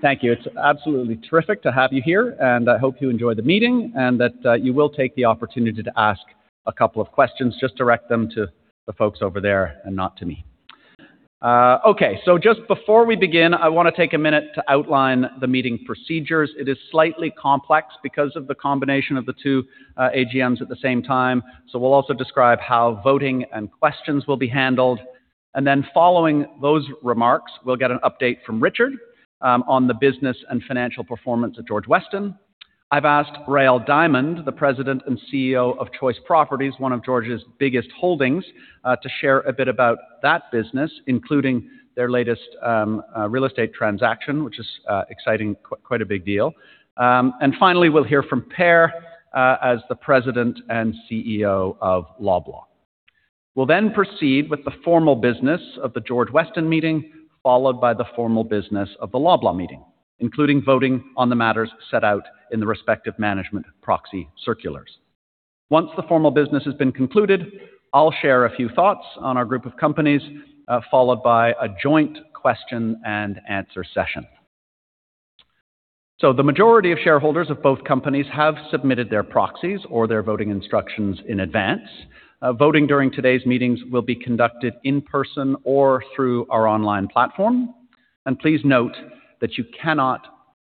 Thank you. It's absolutely terrific to have you here, and I hope you enjoy the meeting and that you will take the opportunity to ask a couple of questions. Just direct them to the folks over there and not to me. Okay. Just before we begin, I wanna take a minute to outline the meeting procedures. It is slightly complex because of the combination of the two AGMs at the same time, we'll also describe how voting and questions will be handled. Following those remarks, we'll get an update from Richard on the business and financial performance at George Weston. I've asked Rael Diamond, the President and Chief Executive Officer of Choice Properties, one of George's biggest holdings, to share a bit about that business, including their latest real estate transaction, which is exciting, quite a big deal. Finally, we'll hear from Per, as the President and CEO of Loblaw. We'll then proceed with the formal business of the George Weston meeting, followed by the formal business of the Loblaw meeting, including voting on the matters set out in the respective management proxy circulars. Once the formal business has been concluded, I'll share a few thoughts on our group of companies, followed by a joint question and answer session. The majority of shareholders of both companies have submitted their proxies or their voting instructions in advance. Voting during today's meetings will be conducted in person or through our online platform. Please note that you cannot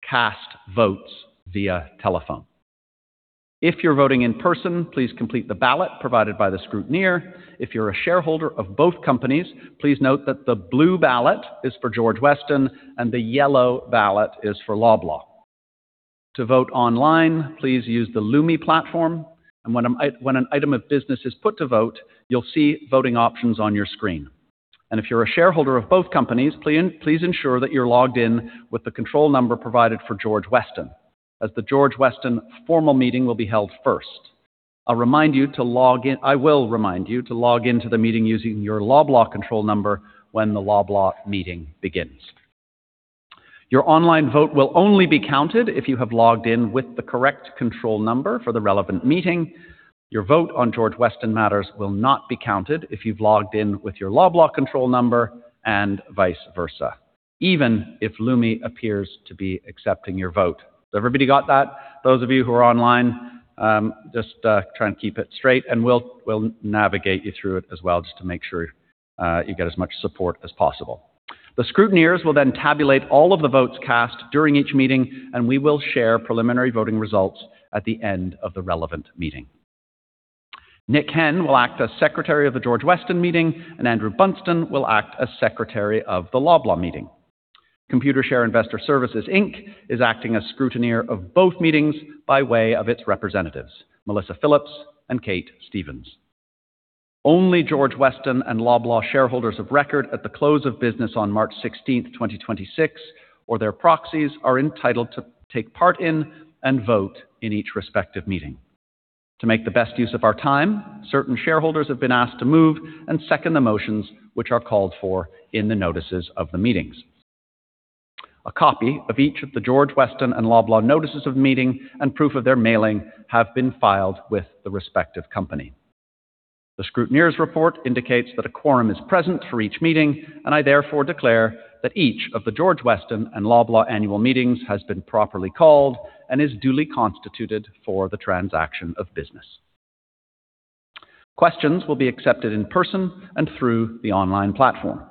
cast votes via telephone. If you're voting in person, please complete the ballot provided by the scrutineer. If you're a shareholder of both companies, please note that the blue ballot is for George Weston and the yellow ballot is for Loblaw. To vote online, please use the Lumi platform. When an item of business is put to vote, you'll see voting options on your screen. If you're a shareholder of both companies, please ensure that you're logged in with the control number provided for George Weston, as the George Weston formal meeting will be held first. I will remind you to log into the meeting using your Loblaw control number when the Loblaw meeting begins. Your online vote will only be counted if you have logged in with the correct control number for the relevant meeting. Your vote on George Weston matters will not be counted if you've logged in with your Loblaw control number, and vice versa, even if Lumi appears to be accepting your vote. Everybody got that? Those of you who are online, just try and keep it straight, and we'll navigate you through it as well just to make sure you get as much support as possible. The scrutineers will tabulate all of the votes cast during each meeting, and we will share preliminary voting results at the end of the relevant meeting. Nick Henn will act as Secretary of the George Weston meeting, and Andrew Bunston will act as Secretary of the Loblaw meeting. Computershare Investor Services, Inc is acting as scrutineer of both meetings by way of its representatives, Melissa Phillips and Kate Stevens. Only George Weston and Loblaw shareholders of record at the close of business on March 16th, 2026, or their proxies, are entitled to take part in and vote in each respective meeting. To make the best use of our time, certain shareholders have been asked to move and second the motions which are called for in the notices of the meetings. A copy of each of the George Weston and Loblaw notices of meeting and proof of their mailing have been filed with the respective company. The scrutineer's report indicates that a quorum is present for each meeting, and I therefore declare that each of the George Weston and Loblaw annual meetings has been properly called and is duly constituted for the transaction of business. Questions will be accepted in person and through the online platform.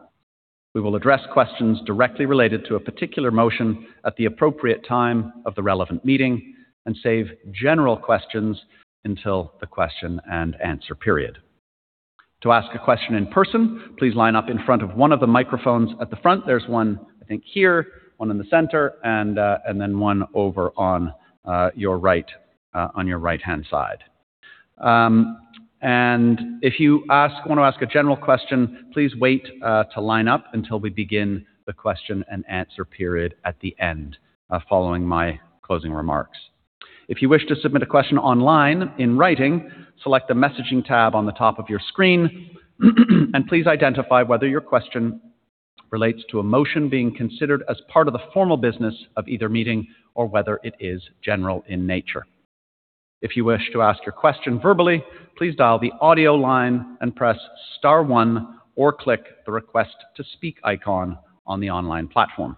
We will address questions directly related to a particular motion at the appropriate time of the relevant meeting and save general questions until the question and answer period. To ask a question in person, please line up in front of one of the microphones at the front. There's one, I think, here, one in the center, and then one over on your right, on your right-hand side. If you want to ask a general question, please wait to line up until we begin the question and answer period at the end, following my closing remarks. If you wish to submit a question online in writing, select the messaging tab on the top of your screen. Please identify whether your question relates to a motion being considered as part of the formal business of either meeting or whether it is general in nature. If you wish to ask your question verbally, please dial the audio line and press star one or click the Request to speak icon on the online platform.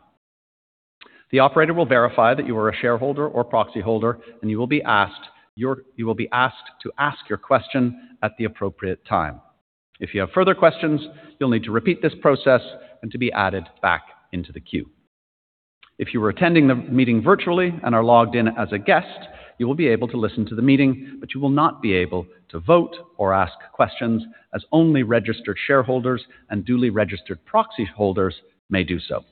The operator will verify that you are a shareholder or proxy holder. You will be asked to ask your question at the appropriate time. If you have further questions, you'll need to repeat this process and to be added back into the queue. If you are attending the meeting virtually and are logged in as a guest, you will be able to listen to the meeting, but you will not be able to vote or ask questions, as only registered shareholders and duly registered proxy holders may do so.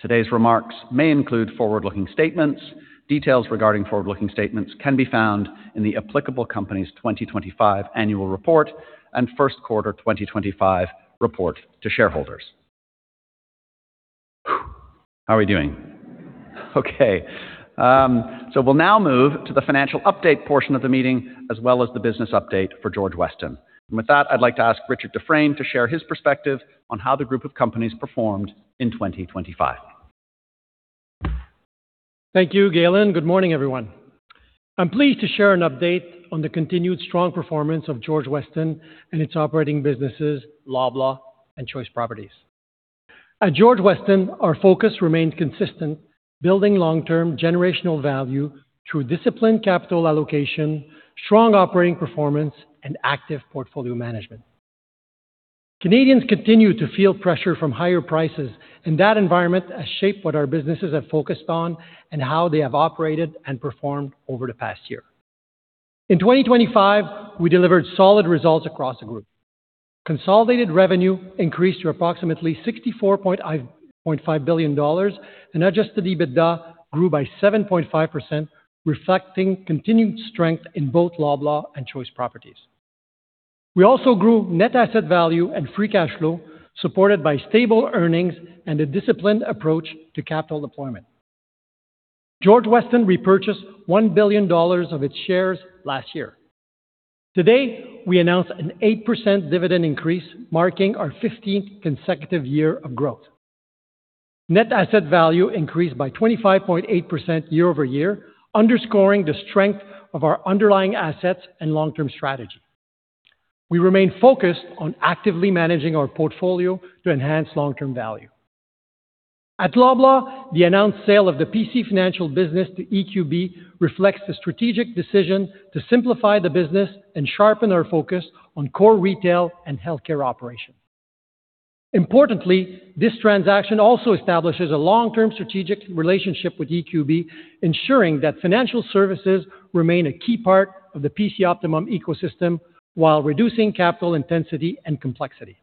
Today's remarks may include forward-looking statements. Details regarding forward-looking statements can be found in the applicable company's 2025 annual report and first quarter 2025 report to shareholders. How are we doing? Okay. We'll now move to the financial update portion of the meeting as well as the business update for George Weston. With that, I'd like to ask Richard Dufresne to share his perspective on how the group of companies performed in 2025. Thank you, Galen. Good morning, everyone. I'm pleased to share an update on the continued strong performance of George Weston and its operating businesses, Loblaw and Choice Properties. At George Weston, our focus remains consistent, building long-term generational value through disciplined capital allocation, strong operating performance, and active portfolio management. Canadians continue to feel pressure from higher prices, that environment has shaped what our businesses have focused on and how they have operated and performed over the past year. In 2025, we delivered solid results across the group. Consolidated revenue increased to approximately 64.5 billion dollars and adjusted EBITDA grew by 7.5%, reflecting continued strength in both Loblaw and Choice Properties. We also grew net asset value and free cash flow, supported by stable earnings and a disciplined approach to capital deployment. George Weston repurchased 1 billion dollars of its shares last year. Today, we announced an 8% dividend increase, marking our 15th consecutive year of growth. Net asset value increased by 25.8% year-over-year, underscoring the strength of our underlying assets and long-term strategy. We remain focused on actively managing our portfolio to enhance long-term value. At Loblaw, the announced sale of the PC Financial business to EQB reflects the strategic decision to simplify the business and sharpen our focus on core retail and healthcare operations. Importantly, this transaction also establishes a long-term strategic relationship with EQB, ensuring that financial services remain a key part of the PC Optimum ecosystem while reducing capital intensity and complexity.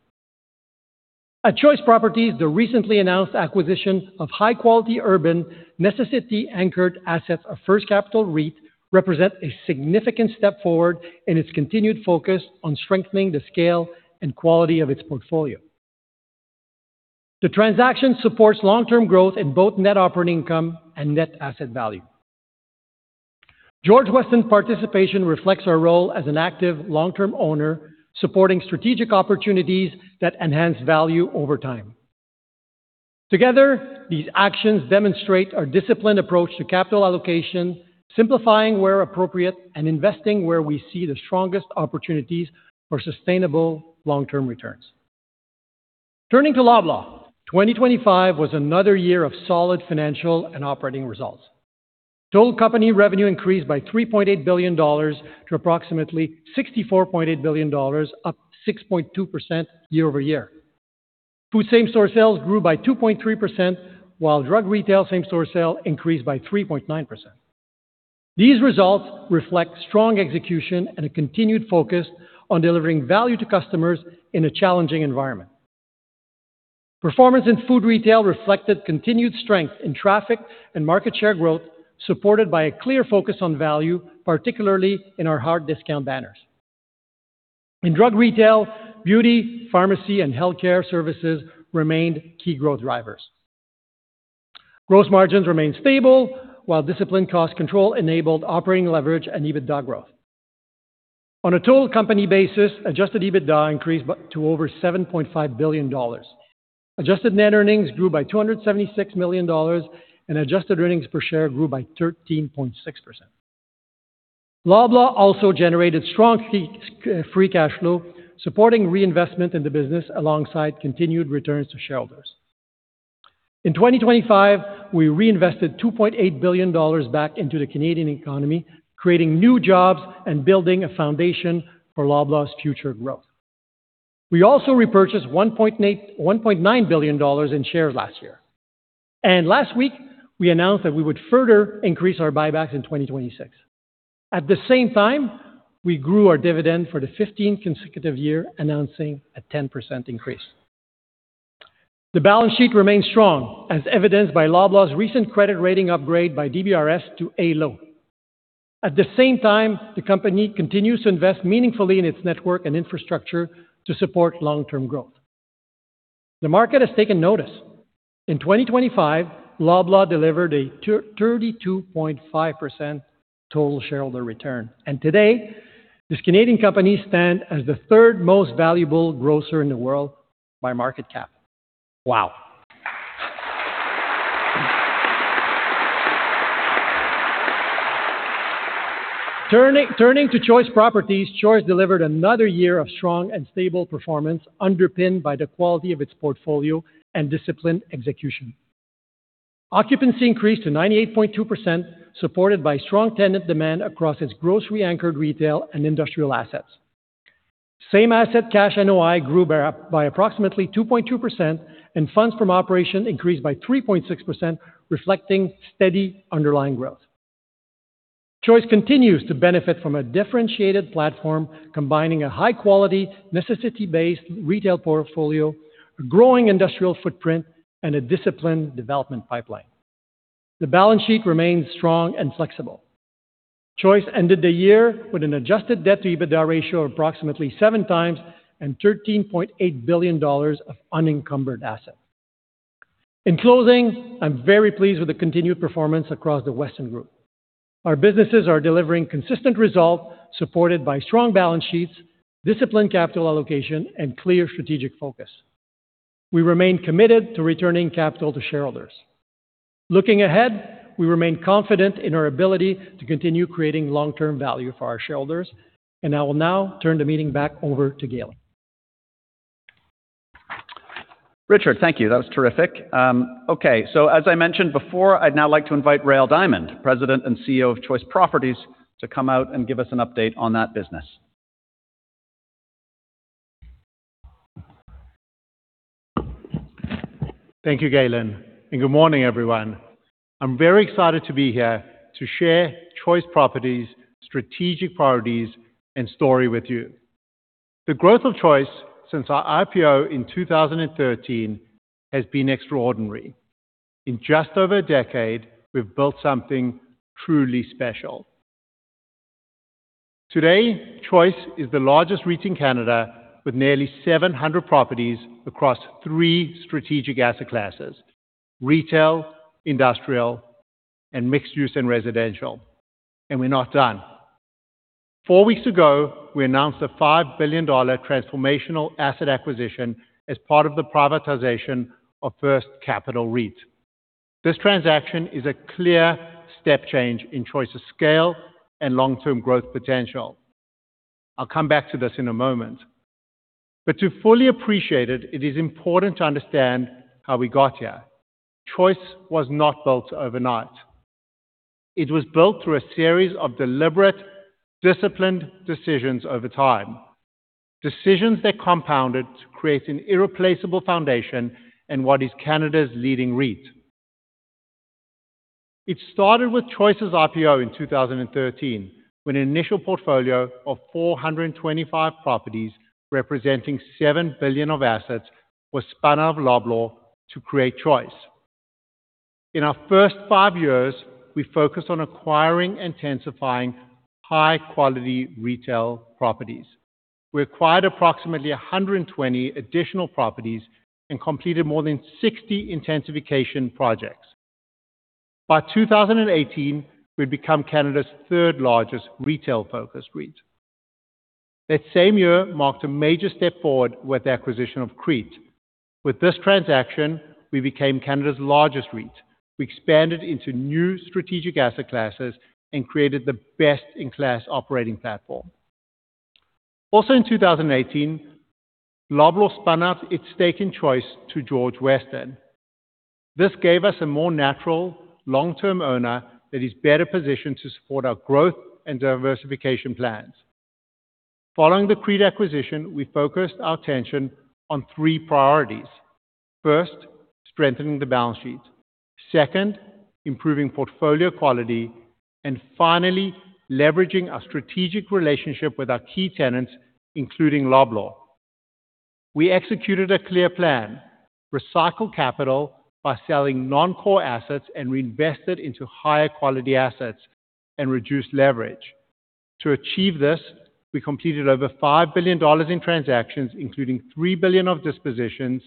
At Choice Properties, the recently announced acquisition of high-quality urban necessity-anchored assets of First Capital REIT represent a significant step forward in its continued focus on strengthening the scale and quality of its portfolio. The transaction supports long-term growth in both net operating income and net asset value. George Weston participation reflects our role as an active long-term owner, supporting strategic opportunities that enhance value over time. Together, these actions demonstrate our disciplined approach to capital allocation, simplifying where appropriate, and investing where we see the strongest opportunities for sustainable long-term returns. Turning to Loblaw, 2025 was another year of solid financial and operating results. Total company revenue increased by 3.8 billion dollars to approximately 64.8 billion dollars, up 6.2% year-over-year. Food same-store sales grew by 2.3%, while drug retail same-store sales increased by 3.9%. These results reflect strong execution and a continued focus on delivering value to customers in a challenging environment. Performance in food retail reflected continued strength in traffic and market share growth, supported by a clear focus on value, particularly in our hard discount banners. In drug retail, beauty, pharmacy, and healthcare services remained key growth drivers. Gross margins remained stable, while disciplined cost control enabled operating leverage and EBITDA growth. On a total company basis, adjusted EBITDA increased to over 7.5 billion dollars. Adjusted net earnings grew by 276 million dollars, adjusted earnings per share grew by 13.6%. Loblaw also generated strong free cash flow, supporting reinvestment in the business alongside continued returns to shareholders. In 2025, we reinvested 2.8 billion dollars back into the Canadian economy, creating new jobs and building a foundation for Loblaw's future growth. We also repurchased 1.9 billion dollars in shares last year. Last week, we announced that we would further increase our buybacks in 2026. At the same time, we grew our dividend for the 15th consecutive year, announcing a 10% increase. The balance sheet remains strong, as evidenced by Loblaw's recent credit rating upgrade by DBRS to A (low). At the same time, the company continues to invest meaningfully in its network and infrastructure to support long-term growth. The market has taken notice. In 2025, Loblaw delivered a 32.5% total shareholder return. Today, this Canadian company stand as the third most valuable grocer in the world by market cap. Wow. Turning to Choice Properties, Choice delivered another year of strong and stable performance underpinned by the quality of its portfolio and disciplined execution. Occupancy increased to 98.2%, supported by strong tenant demand across its grocery-anchored retail and industrial assets. Same asset cash NOI grew by approximately 2.2%. Funds from operation increased by 3.6%, reflecting steady underlying growth. Choice continues to benefit from a differentiated platform, combining a high-quality, necessity-based retail portfolio, a growing industrial footprint, and a disciplined development pipeline. The balance sheet remains strong and flexible. Choice ended the year with an adjusted debt-to-EBITDA ratio of approximately 7x and 13.8 billion dollars of unencumbered assets. In closing, I'm very pleased with the continued performance across the Weston Group. Our businesses are delivering consistent results, supported by strong balance sheets, disciplined capital allocation, and clear strategic focus. We remain committed to returning capital to shareholders. Looking ahead, we remain confident in our ability to continue creating long-term value for our shareholders. I will now turn the meeting back over to Galen. Richard, thank you. That was terrific. Okay. As I mentioned before, I'd now like to invite Rael Diamond, President and CEO of Choice Properties, to come out and give us an update on that business. Thank you, Galen, and good morning, everyone. I'm very excited to be here to share Choice Properties' strategic priorities and story with you. The growth of Choice since our IPO in 2013 has been extraordinary. In just over a decade, we've built something truly special. Today, Choice is the largest REIT in Canada with nearly 700 properties across three strategic asset classes: retail, industrial, and mixed use and residential. We're not done. Four weeks ago, we announced a 5 billion dollar transformational asset acquisition as part of the privatization of First Capital REIT. This transaction is a clear step change in Choice's scale and long-term growth potential. I'll come back to this in a moment. To fully appreciate it is important to understand how we got here. Choice was not built overnight. It was built through a series of deliberate, disciplined decisions over time, decisions that compounded to create an irreplaceable foundation in what is Canada's leading REIT. It started with Choice's IPO in 2013, when an initial portfolio of 425 properties representing 7 billion of assets was spun out of Loblaw to create Choice. In our first five years, we focused on acquiring intensifying high-quality retail properties. We acquired approximately 120 additional properties and completed more than 60 intensification projects. By 2018, we'd become Canada's third-largest retail-focused REIT. That same year marked a major step forward with the acquisition of CREIT. With this transaction, we became Canada's largest REIT. We expanded into new strategic asset classes and created the best-in-class operating platform. In 2018, Loblaw spun out its stake in Choice to George Weston. This gave us a more natural long-term owner that is better positioned to support our growth and diversification plans. Following the CREIT acquisition, we focused our attention on three priorities. First, strengthening the balance sheet. Second, improving portfolio quality. Finally, leveraging our strategic relationship with our key tenants, including Loblaw. We executed a clear plan, recycle capital by selling non-core assets and reinvest it into higher quality assets and reduce leverage. To achieve this, we completed over 5 billion dollars in transactions, including 3 billion of dispositions,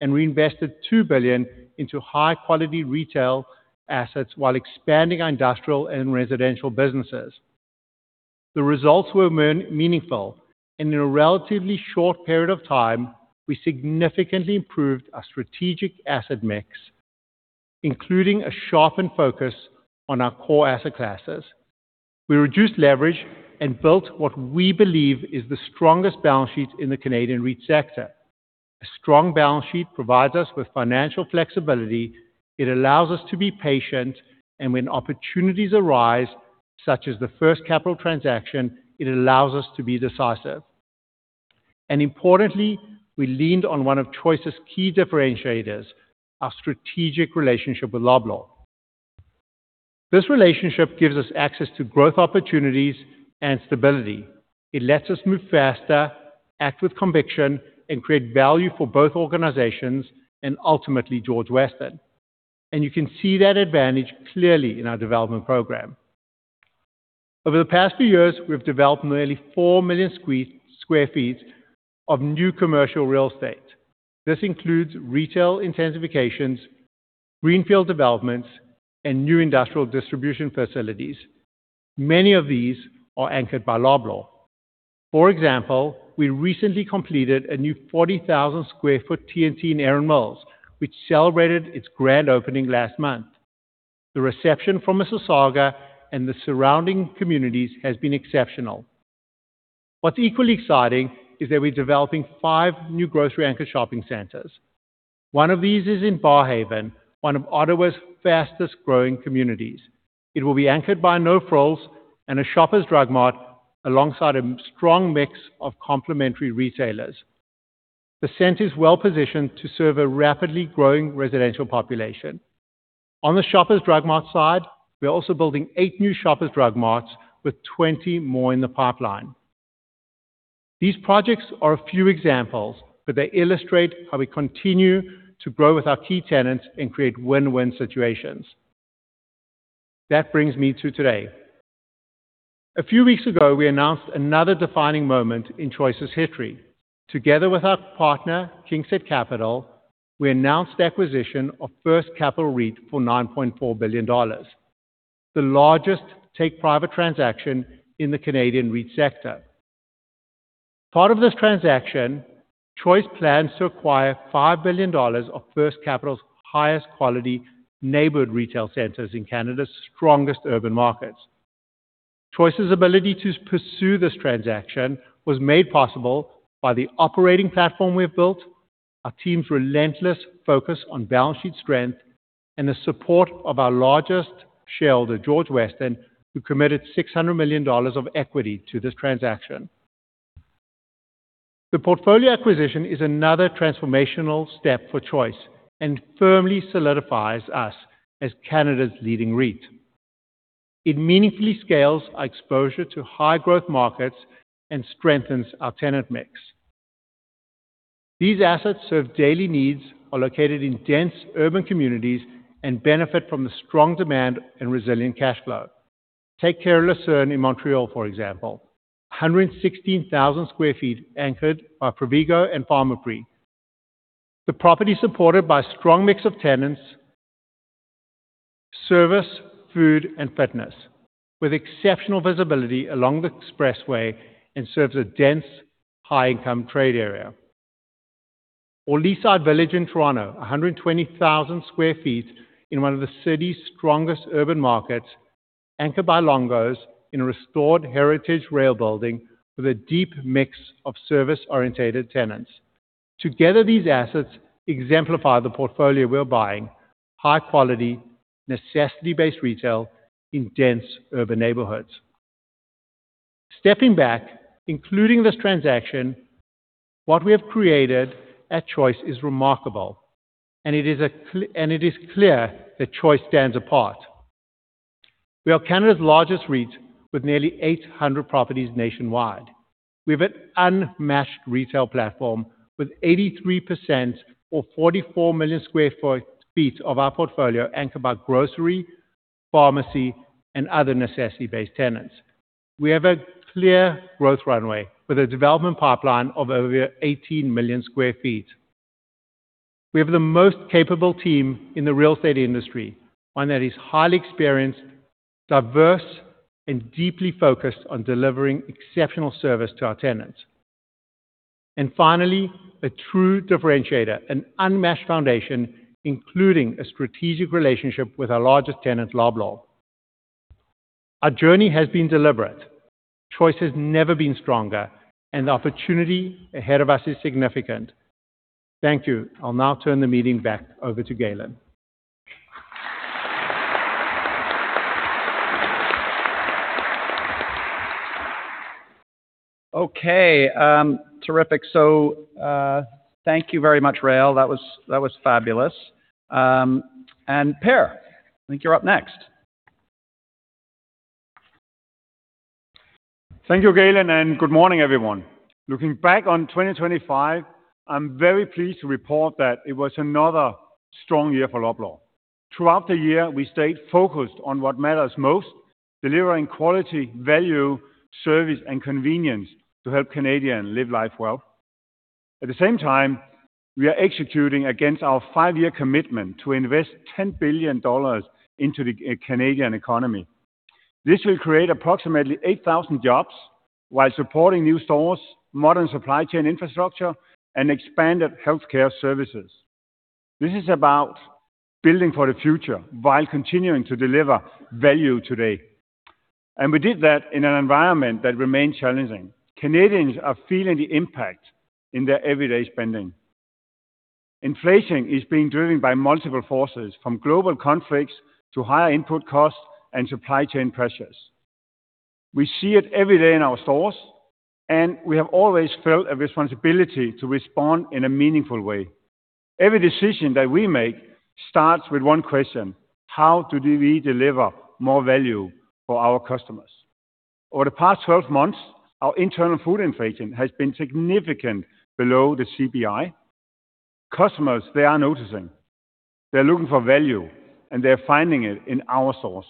and reinvested 2 billion into high-quality retail assets while expanding our industrial and residential businesses. The results were meaningful. In a relatively short period of time, we significantly improved our strategic asset mix, including a sharpened focus on our core asset classes. We reduced leverage and built what we believe is the strongest balance sheet in the Canadian REIT sector. A strong balance sheet provides us with financial flexibility. It allows us to be patient. When opportunities arise, such as the First Capital REIT transaction, it allows us to be decisive. Importantly, we leaned on one of Choice's key differentiators, our strategic relationship with Loblaw. This relationship gives us access to growth opportunities and stability. It lets us move faster, act with conviction, and create value for both organizations and ultimately George Weston. You can see that advantage clearly in our development program. Over the past few years, we've developed nearly 4,000,000 sq ft of new commercial real estate. This includes retail intensifications, greenfield developments, and new industrial distribution facilities. Many of these are anchored by Loblaw. For example, we recently completed a new 40,000 sq ft T&T in Erin Mills, which celebrated its grand opening last month. The reception from Mississauga and the surrounding communities has been exceptional. What's equally exciting is that we're developing five new grocery anchor shopping centers. one of these is in Barrhaven, one of Ottawa's fastest-growing communities. It will be anchored by No Frills and a Shoppers Drug Mart alongside a strong mix of complementary retailers. The center is well-positioned to serve a rapidly growing residential population. On the Shoppers Drug Mart side, we are also building eight new Shoppers Drug Marts with 20 more in the pipeline. These projects are a few examples, but they illustrate how we continue to grow with our key tenants and create win-win situations. That brings me to today. A few weeks ago, we announced another defining moment in Choice's history. Together with our partner, KingSett Capital, we announced the acquisition of First Capital REIT for 9.4 billion dollars. The largest take-private transaction in the Canadian REIT sector. Part of this transaction, Choice plans to acquire 5 billion dollars of First Capital's highest quality neighborhood retail centers in Canada's strongest urban markets. Choice's ability to pursue this transaction was made possible by the operating platform we've built, our team's relentless focus on balance sheet strength, and the support of our largest shareholder, George Weston, who committed 600 million dollars of equity to this transaction. The portfolio acquisition is another transformational step for Choice and firmly solidifies us as Canada's leading REIT. It meaningfully scales our exposure to high growth markets and strengthens our tenant mix. These assets serve daily needs, are located in dense urban communities, and benefit from the strong demand and resilient cash flow. Take Carré Lucerne in Montreal, for example, 116,000 sq ft anchored by Provigo and Pharmaprix. The property is supported by a strong mix of tenants, service, food, and fitness, with exceptional visibility along the expressway and serves a dense, high-income trade area. Leaside Village in Toronto, 120,000 sq ft in one of the city's strongest urban markets, anchored by Longo's in a restored heritage rail building with a deep mix of service-orientated tenants. Together, these assets exemplify the portfolio we're buying high quality, necessity-based retail in dense urban neighborhoods. Stepping back, including this transaction, what we have created at Choice is remarkable, and it is clear that Choice stands apart. We are Canada's largest REIT with nearly 800 properties nationwide. We have an unmatched retail platform with 83% or 44,000,000 sq ft of our portfolio anchored by grocery, pharmacy, and other necessity-based tenants. We have a clear growth runway with a development pipeline of over 18,000,000 sq ft. We have the most capable team in the real estate industry, one that is highly experienced, diverse, and deeply focused on delivering exceptional service to our tenants. Finally, a true differentiator, an unmatched foundation, including a strategic relationship with our largest tenant, Loblaw. Our journey has been deliberate. Choice has never been stronger. The opportunity ahead of us is significant. Thank you. I'll now turn the meeting back over to Galen. Okay. Terrific. Thank you very much, Rael. That was fabulous. Per, I think you're up next. Thank you, Galen, and good morning, everyone. Looking back on 2025, I'm very pleased to report that it was another strong year for Loblaw. Throughout the year, we stayed focused on what matters most, delivering quality, value, service, and convenience to help Canadians live life well. At the same time, we are executing against our five-year commitment to invest 10 billion dollars into the Canadian economy. This will create approximately 8,000 jobs while supporting new stores, modern supply chain infrastructure, and expanded healthcare services. This is about building for the future while continuing to deliver value today. We did that in an environment that remained challenging. Canadians are feeling the impact in their everyday spending. Inflation is being driven by multiple forces, from global conflicts to higher input costs and supply chain pressures. We see it every day in our stores, and we have always felt a responsibility to respond in a meaningful way. Every decision that we make starts with one question: How do we deliver more value for our customers? Over the past 12 months, our internal food inflation has been significant below the CPI. Customers, they are noticing. They're looking for value, and they're finding it in our stores.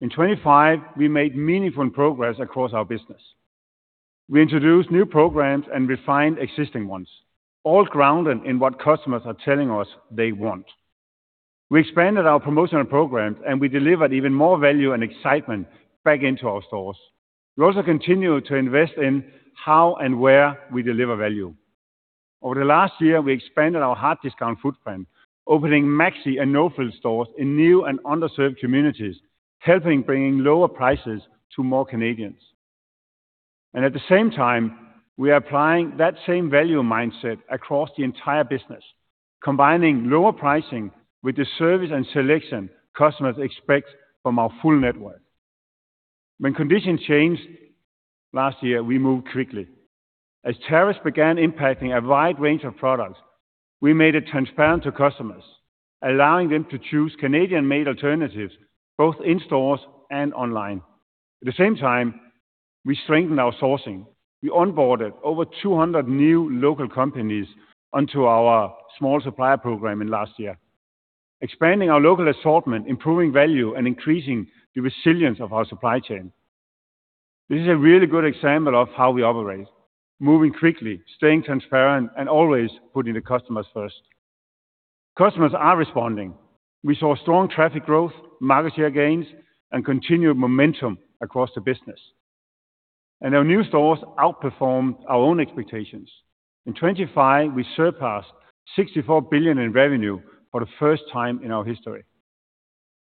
In 2025, we made meaningful progress across our business. We introduced new programs and refined existing ones, all grounded in what customers are telling us they want. We expanded our promotional programs, and we delivered even more value and excitement back into our stores. We also continue to invest in how and where we deliver value. Over the last year, we expanded our hard discount footprint, opening Maxi and No Frills stores in new and underserved communities, helping bringing lower prices to more Canadians. At the same time, we are applying that same value mindset across the entire business, combining lower pricing with the service and selection customers expect from our full network. When conditions changed last year, we moved quickly. As tariffs began impacting a wide range of products, we made it transparent to customers, allowing them to choose Canadian-made alternatives, both in stores and online. At the same time, we strengthened our sourcing. We onboarded over 200 new local companies onto our small supplier program in last year, expanding our local assortment, improving value, and increasing the resilience of our supply chain. This is a really good example of how we operate, moving quickly, staying transparent, and always putting the customers first. Customers are responding. We saw strong traffic growth, market share gains, and continued momentum across the business. Our new stores outperformed our own expectations. In 2025, we surpassed 64 billion in revenue for the first time in our history.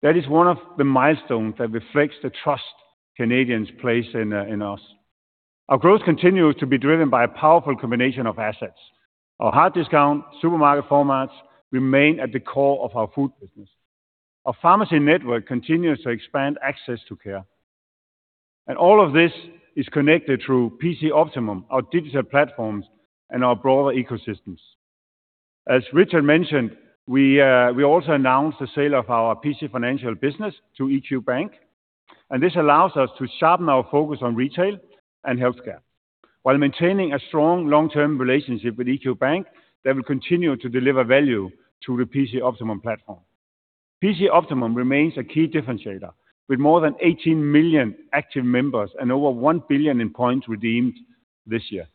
That is one of the milestones that reflects the trust Canadians place in us. Our growth continues to be driven by a powerful combination of assets. Our hard discount supermarket formats remain at the core of our food business. Our pharmacy network continues to expand access to care. All of this is connected through PC Optimum, our digital platforms and our broader ecosystems. As Richard mentioned, we also announced the sale of our PC Financial business to EQ Bank. This allows us to sharpen our focus on retail and healthcare, while maintaining a strong long-term relationship with EQ Bank that will continue to deliver value to the PC Optimum platform. PC Optimum remains a key differentiator, with more than 18 million active members and over 1 billion in points redeemed this year.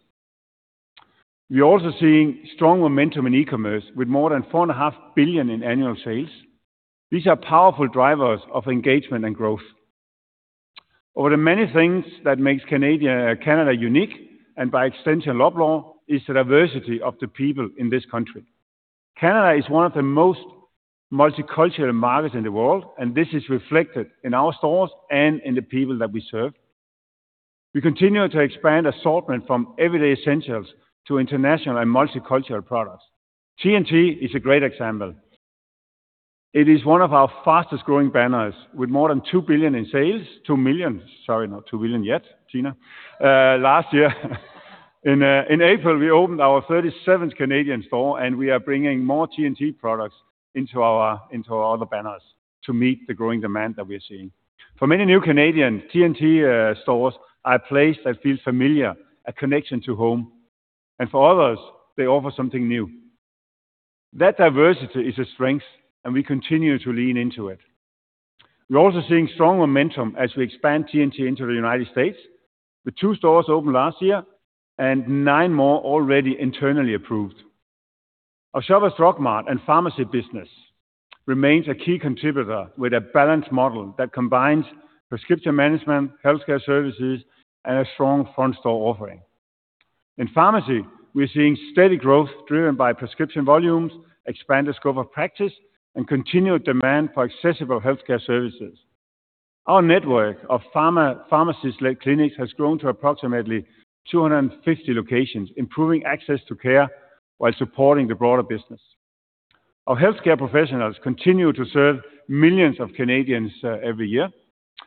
We're also seeing strong momentum in e-commerce, with more than 4.5 billion in annual sales. These are powerful drivers of engagement and growth. Over the many things that makes Canada unique, and by extension, Loblaw, is the diversity of the people in this country. Canada is one of the most multicultural markets in the world. This is reflected in our stores and in the people that we serve. We continue to expand assortment from everyday essentials to international and multicultural products. T&T is a great example. It is one of our fastest-growing banners, with more than 2 billion in sales. 2 million, sorry, not 2 billion yet, Tina Lee. Last year. In April, we opened our 37th Canadian store, and we are bringing more T&T products into our other banners to meet the growing demand that we're seeing. For many new Canadians, T&T stores are a place that feels familiar, a connection to home. For others, they offer something new. That diversity is a strength, we continue to lean into it. We're also seeing strong momentum as we expand T&T into the United States, with two stores opened last year and nine more already internally approved. Our Shoppers Drug Mart and pharmacy business remains a key contributor with a balanced model that combines prescription management, healthcare services, and a strong front-store offering. In pharmacy, we're seeing steady growth driven by prescription volumes, expanded scope of practice, and continued demand for accessible healthcare services. Our network of pharma-pharmacist-led clinics has grown to approximately 250 locations, improving access to care while supporting the broader business. Our healthcare professionals continue to serve millions of Canadians every year.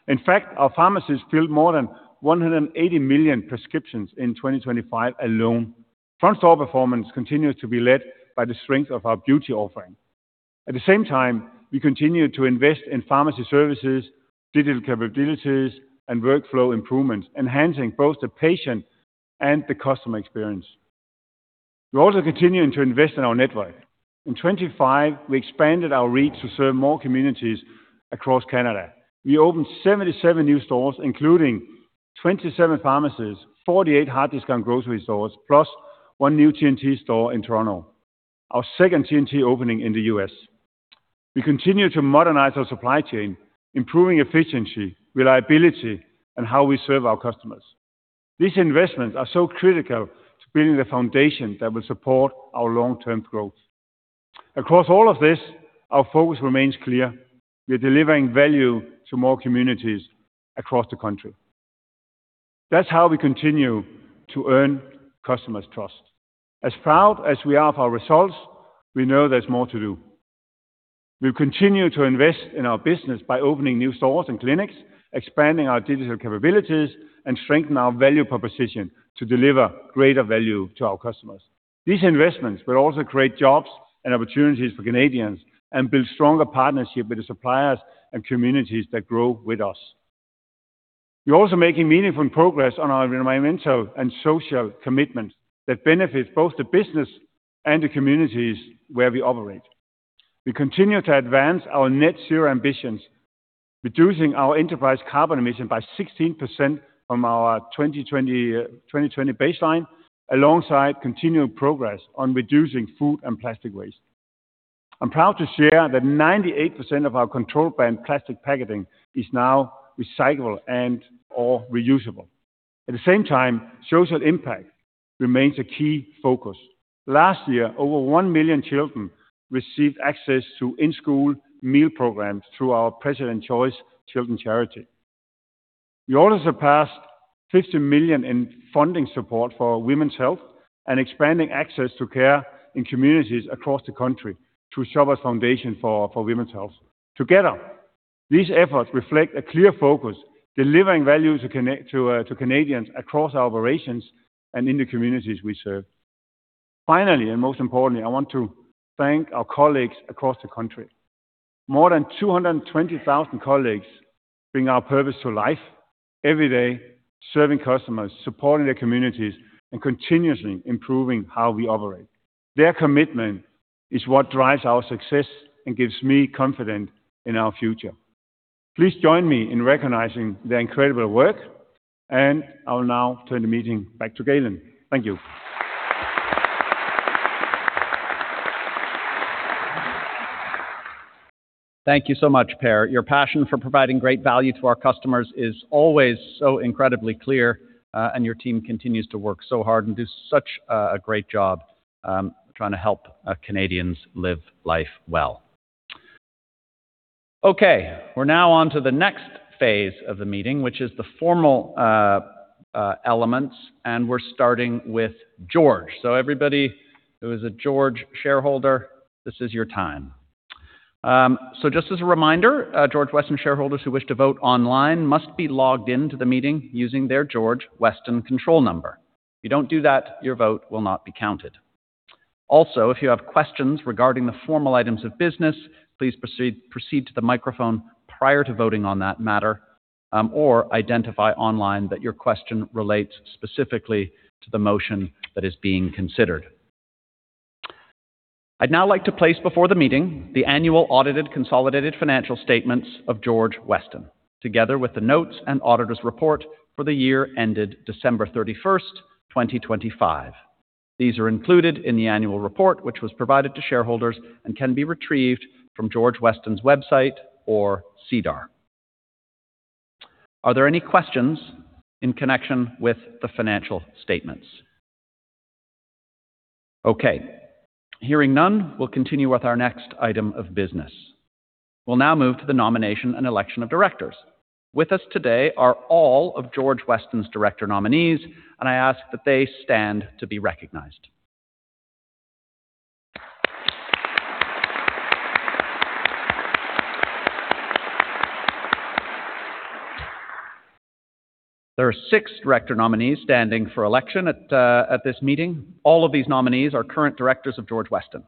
In fact, our pharmacists filled more than 180 million prescriptions in 2025 alone. Front-store performance continues to be led by the strength of our beauty offering. At the same time, we continue to invest in pharmacy services, digital capabilities, and workflow improvements, enhancing both the patient and the customer experience. We're also continuing to invest in our network. In 2025, we expanded our reach to serve more communities across Canada. We opened 77 new stores, including 27 pharmacies, 48 hard discount grocery stores, plus one new T&T store in Toronto, our second T&T opening in the U.S. We continue to modernize our supply chain, improving efficiency, reliability, and how we serve our customers. These investments are so critical to building the foundation that will support our long-term growth. Across all of this, our focus remains clear. We're delivering value to more communities across the country. That's how we continue to earn customers' trust. As proud as we are of our results, we know there's more to do. We'll continue to invest in our business by opening new stores and clinics, expanding our digital capabilities, and strengthen our value proposition to deliver greater value to our customers. These investments will also create jobs and opportunities for Canadians and build stronger partnership with the suppliers and communities that grow with us. We are also making meaningful progress on our environmental and social commitments that benefit both the business and the communities where we operate. We continue to advance our net zero ambitions, reducing our enterprise carbon emission by 16% from our 2020 baseline, alongside continuing progress on reducing food and plastic waste. I am proud to share that 98% of our controlled brand plastic packaging is now recyclable and/or reusable. At the same time, social impact remains a key focus. Last year, over 1 million children received access to in-school meal programs through our President's Choice Children's Charity. We also surpassed 50 million in funding support for women's health and expanding access to care in communities across the country through Shoppers Foundation for Women's Health. Together, these efforts reflect a clear focus, delivering value to Canadians across our operations and in the communities we serve. Finally, and most importantly, I want to thank our colleagues across the country. More than 220,000 colleagues bring our purpose to life every day, serving customers, supporting their communities, and continuously improving how we operate. Their commitment is what drives our success and gives me confidence in our future. Please join me in recognizing their incredible work. I will now turn the meeting back to Galen. Thank you. Thank you so much, Per. Your passion for providing great value to our customers is always so incredibly clear, and your team continues to work so hard and do such a great job trying to help Canadians live life well. We're now on to the next phase of the meeting, which is the formal elements, and we're starting with George. Everybody who is a George shareholder, this is your time. Just as a reminder, George Weston shareholders who wish to vote online must be logged into the meeting using their George Weston control number. If you don't do that, your vote will not be counted. If you have questions regarding the formal items of business, please proceed to the microphone prior to voting on that matter, or identify online that your question relates specifically to the motion that is being considered. I'd now like to place before the meeting the annual audited consolidated financial statements of George Weston, together with the notes and auditor's report for the year ended December 31st, 2025. These are included in the annual report, which was provided to shareholders and can be retrieved from George Weston's website or SEDAR. Are there any questions in connection with the financial statements? Okay. Hearing none, we'll continue with our next item of business. We'll now move to the nomination and election of directors. With us today are all of George Weston's director nominees, and I ask that they stand to be recognized. There are six director nominees standing for election at this meeting. All of these nominees are current directors of George Weston.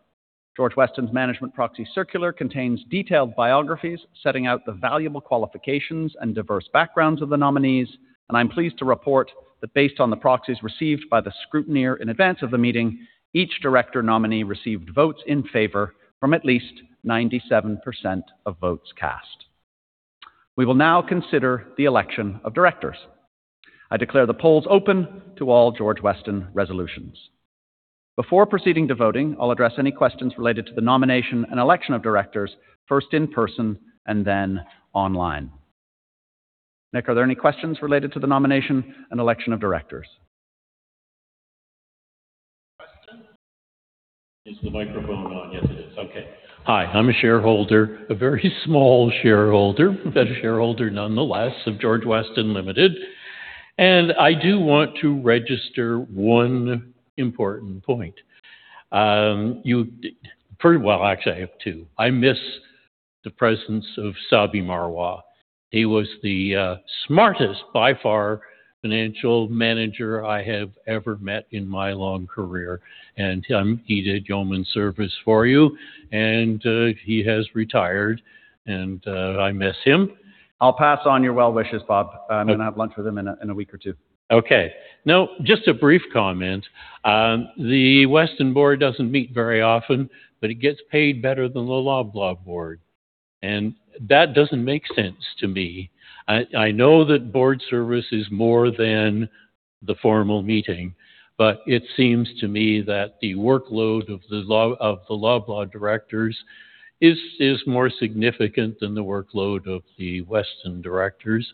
George Weston's management proxy circular contains detailed biographies setting out the valuable qualifications and diverse backgrounds of the nominees, and I'm pleased to report that based on the proxies received by the scrutineer in advance of the meeting, each director nominee received votes in favor from at least 97% of votes cast. We will now consider the election of directors. I declare the polls open to all George Weston resolutions. Before proceeding to voting, I'll address any questions related to the nomination and election of directors, first in person and then online. Nick, are there any questions related to the nomination and election of directors? Question. Is the microphone on? Yes, it is. Okay. Hi, I'm a shareholder, a very small shareholder, but a shareholder nonetheless of George Weston Limited. I do want to register one important point. You pretty well, actually, I have two. I miss the presence of Sabi Marwah. He was the smartest, by far, financial manager I have ever met in my long career, and he did yeoman service for you. He has retired, and I miss him. I'll pass on your well wishes, Bob. Okay. I'm gonna have lunch with him in a week or two. Okay. Now, just a brief comment. The Weston Board doesn't meet very often, but it gets paid better than the Loblaw Board, and that doesn't make sense to me. I know that board service is more than the formal meeting, but it seems to me that the workload of the Loblaw directors is more significant than the workload of the Weston directors,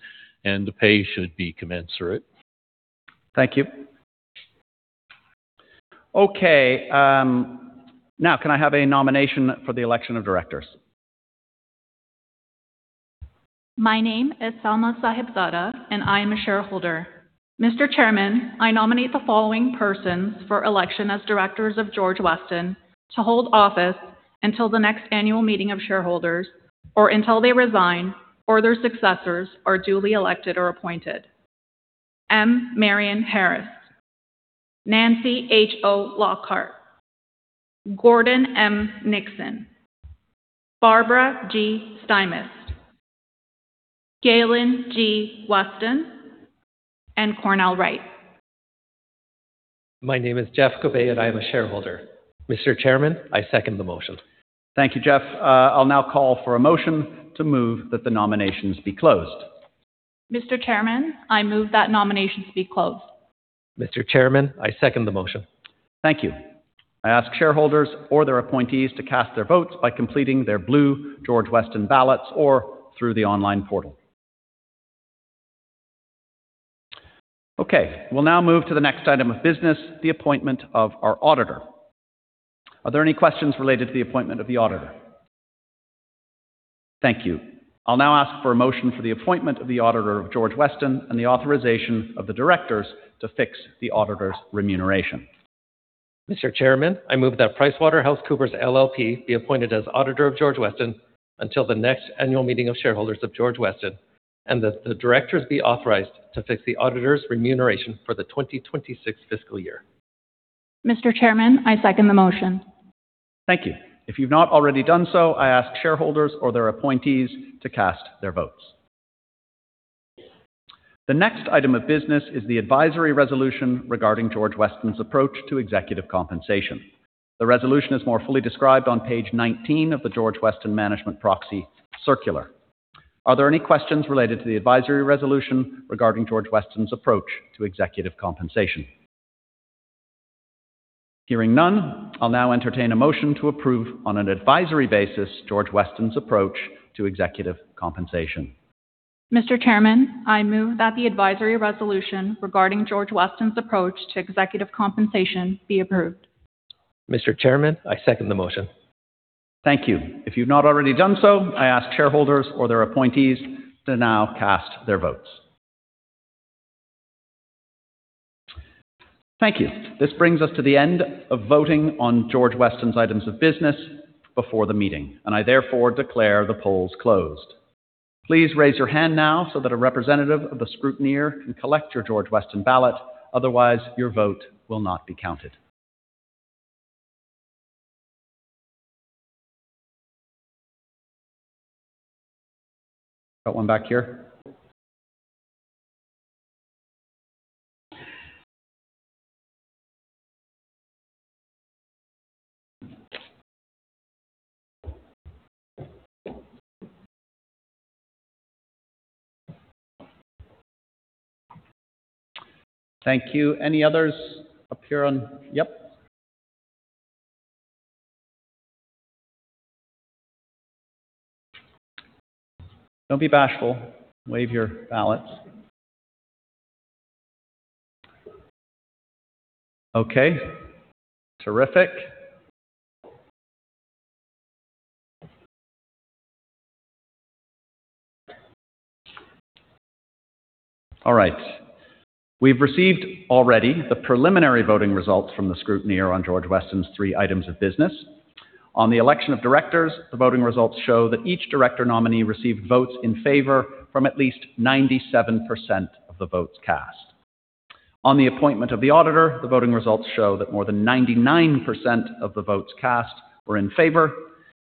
and the pay should be commensurate. Thank you. Okay. Can I have a nomination for the election of directors? My name is [Salma Sahibzada], and I am a shareholder. Mr. Chairman, I nominate the following persons for election as directors of George Weston to hold office until the next Annual Meeting of Shareholders or until they resign or their successors are duly elected or appointed. M. Marianne Harris, Nancy H.O. Lockhart, Gordon M. Nixon, Barbara G. Stymiest, Galen G. Weston, and Cornell Wright. My name is [Jeff Cobey], and I am a shareholder. Mr. Chairman, I second the motion. Thank you, Jeff. I'll now call for a motion to move that the nominations be closed. Mr. Chairman, I move that nominations be closed. Mr. Chairman, I second the motion. Thank you. I ask shareholders or their appointees to cast their votes by completing their blue George Weston ballots or through the online portal. Okay. We'll now move to the next item of business, the appointment of our auditor. Are there any questions related to the appointment of the auditor? Thank you. I'll now ask for a motion for the appointment of the auditor of George Weston and the authorization of the directors to fix the auditor's remuneration. Mr. Chairman, I move that PricewaterhouseCoopers LLP be appointed as auditor of George Weston until the next Annual Meeting of Shareholders of George Weston, and that the directors be authorized to fix the auditor's remuneration for the 2026 fiscal year. Mr. Chairman, I second the motion. Thank you. If you've not already done so, I ask shareholders or their appointees to cast their votes. The next item of business is the advisory resolution regarding George Weston's approach to executive compensation. The resolution is more fully described on page 19 of the George Weston management proxy circular. Are there any questions related to the advisory resolution regarding George Weston's approach to executive compensation? Hearing none, I'll now entertain a motion to approve on an advisory basis George Weston's approach to executive compensation. Mr. Chairman, I move that the advisory resolution regarding George Weston's approach to executive compensation be approved. Mr. Chairman, I second the motion. Thank you. If you've not already done so, I ask shareholders or their appointees to now cast their votes. Thank you. This brings us to the end of voting on George Weston's items of business before the meeting. I therefore declare the polls closed. Please raise your hand now so that a representative of the scrutineer can collect your George Weston ballot, otherwise your vote will not be counted. Got one back here. Thank you. Any others up here on Yep. Don't be bashful. Wave your ballots. Okay, terrific. All right. We've received already the preliminary voting results from the scrutineer on George Weston's three items of business. On the election of directors, the voting results show that each director nominee received votes in favor from at least 97% of the votes cast. On the appointment of the auditor, the voting results show that more than 99% of the votes cast were in favor.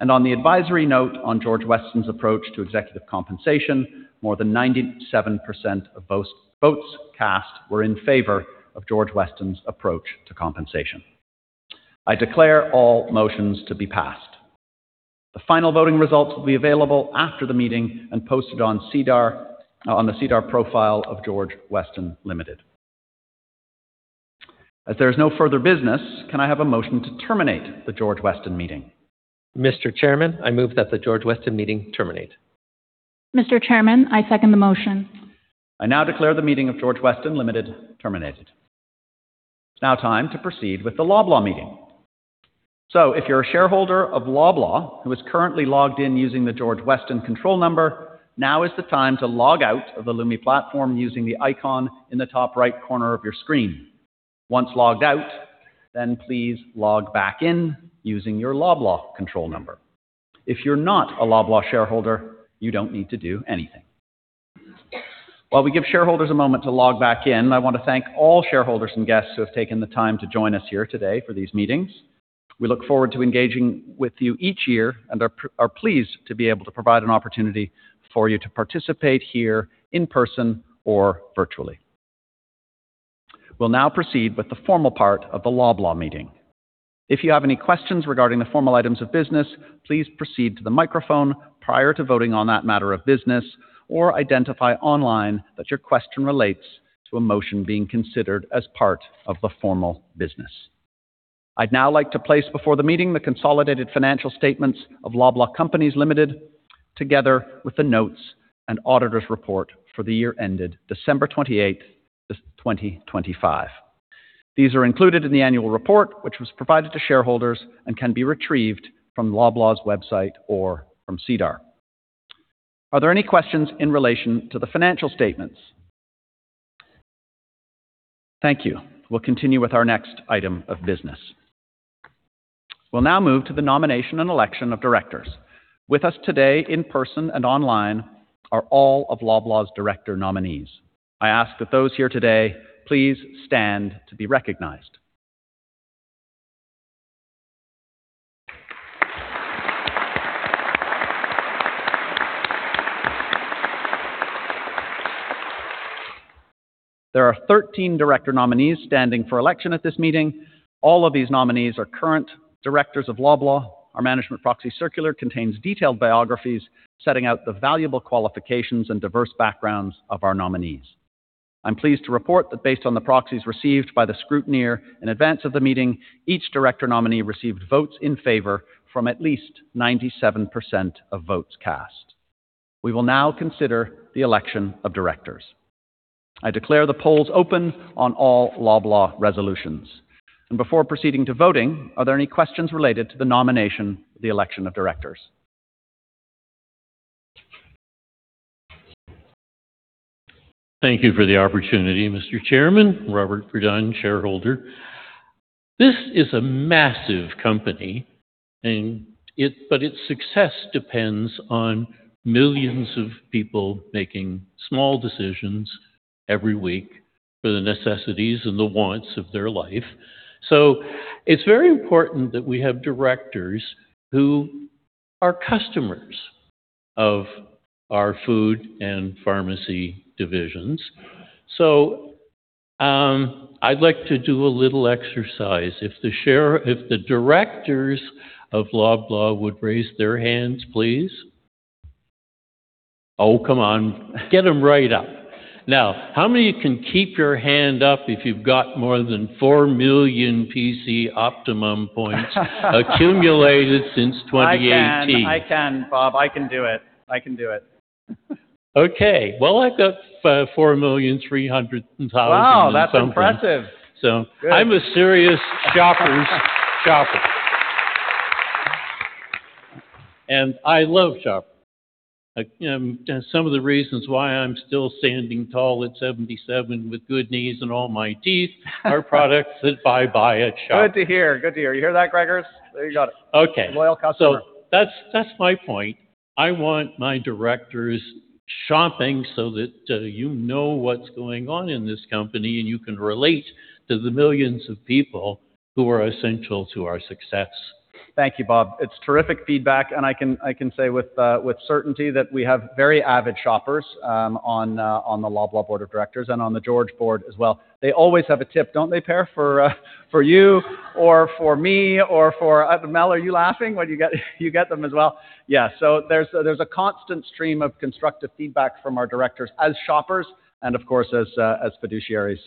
On the advisory note on George Weston's approach to executive compensation, more than 97% of votes cast were in favor of George Weston's approach to compensation. I declare all motions to be passed. The final voting results will be available after the meeting and posted on SEDAR, on the SEDAR profile of George Weston Limited. As there is no further business, can I have a motion to terminate the George Weston meeting? Mr. Chairman, I move that the George Weston meeting terminate. Mr. Chairman, I second the motion. I now declare the meeting of George Weston Limited terminated. It is now time to proceed with the Loblaw meeting. If you are a shareholder of Loblaw who is currently logged in using the George Weston control number, now is the time to log out of the Lumi platform using the icon in the top right corner of your screen. Once logged out, please log back in using your Loblaw control number. If you are not a Loblaw shareholder, you do not need to do anything. While we give shareholders a moment to log back in, I want to thank all shareholders and guests who have taken the time to join us here today for these meetings. We look forward to engaging with you each year and are pleased to be able to provide an opportunity for you to participate here in person or virtually. We'll now proceed with the formal part of the Loblaw meeting. If you have any questions regarding the formal items of business, please proceed to the microphone prior to voting on that matter of business or identify online that your question relates to a motion being considered as part of the formal business. I'd now like to place before the meeting the consolidated financial statements of Loblaw Companies Limited, together with the notes and auditor's report for the year ended December 28th, 2025. These are included in the annual report, which was provided to shareholders and can be retrieved from Loblaw's website or from SEDAR. Are there any questions in relation to the financial statements? Thank you. We'll continue with our next item of business. We'll now move to the nomination and election of directors. With us today in person and online are all of Loblaw's director nominees. I ask that those here today please stand to be recognized. There are 13 director nominees standing for election at this meeting. All of these nominees are current directors of Loblaw. Our management proxy circular contains detailed biographies setting out the valuable qualifications and diverse backgrounds of our nominees. I'm pleased to report that based on the proxies received by the scrutineer in advance of the meeting, each director nominee received votes in favor from at least 97% of votes cast. We will now consider the election of directors. I declare the polls open on all Loblaw resolutions. Before proceeding to voting, are there any questions related to the nomination of the election of directors? Thank you for the opportunity, Mr. Chairman. Robert Prudden, shareholder. Its success depends on millions of people making small decisions every week for the necessities and the wants of their life. It's very important that we have directors who are customers of our food and pharmacy divisions. I'd like to do a little exercise. If the directors of Loblaw would raise their hands, please. Oh, come on. Get them right up. Now, how many can keep your hand up if you've got more than 4 million PC Optimum points accumulated since 2018? I can. I can, Robert. I can do it. I can do it. Okay. Well, I've got 4.3 million and something. Wow, that's impressive. So- Good. I'm a serious Shoppers shopper. I love Shoppers. Like, some of the reasons why I'm still standing tall at 77 with good knees and all my teeth are products that I buy at Shoppers. Good to hear. Good to hear. You hear that, Gregers? There you go. Okay. Loyal customer. That's my point. I want my directors shopping so that, you know what's going on in this company, and you can relate to the millions of people who are essential to our success. Thank you, Bob. It's terrific feedback. I can say with certainty that we have very avid shoppers on the Loblaw Board of Directors and on the George Board as well. They always have a tip, don't they, Per, for you or for me or for Mel, are you laughing? What, you get them as well? Yeah, there's a constant stream of constructive feedback from our directors as shoppers and, of course, as fiduciaries.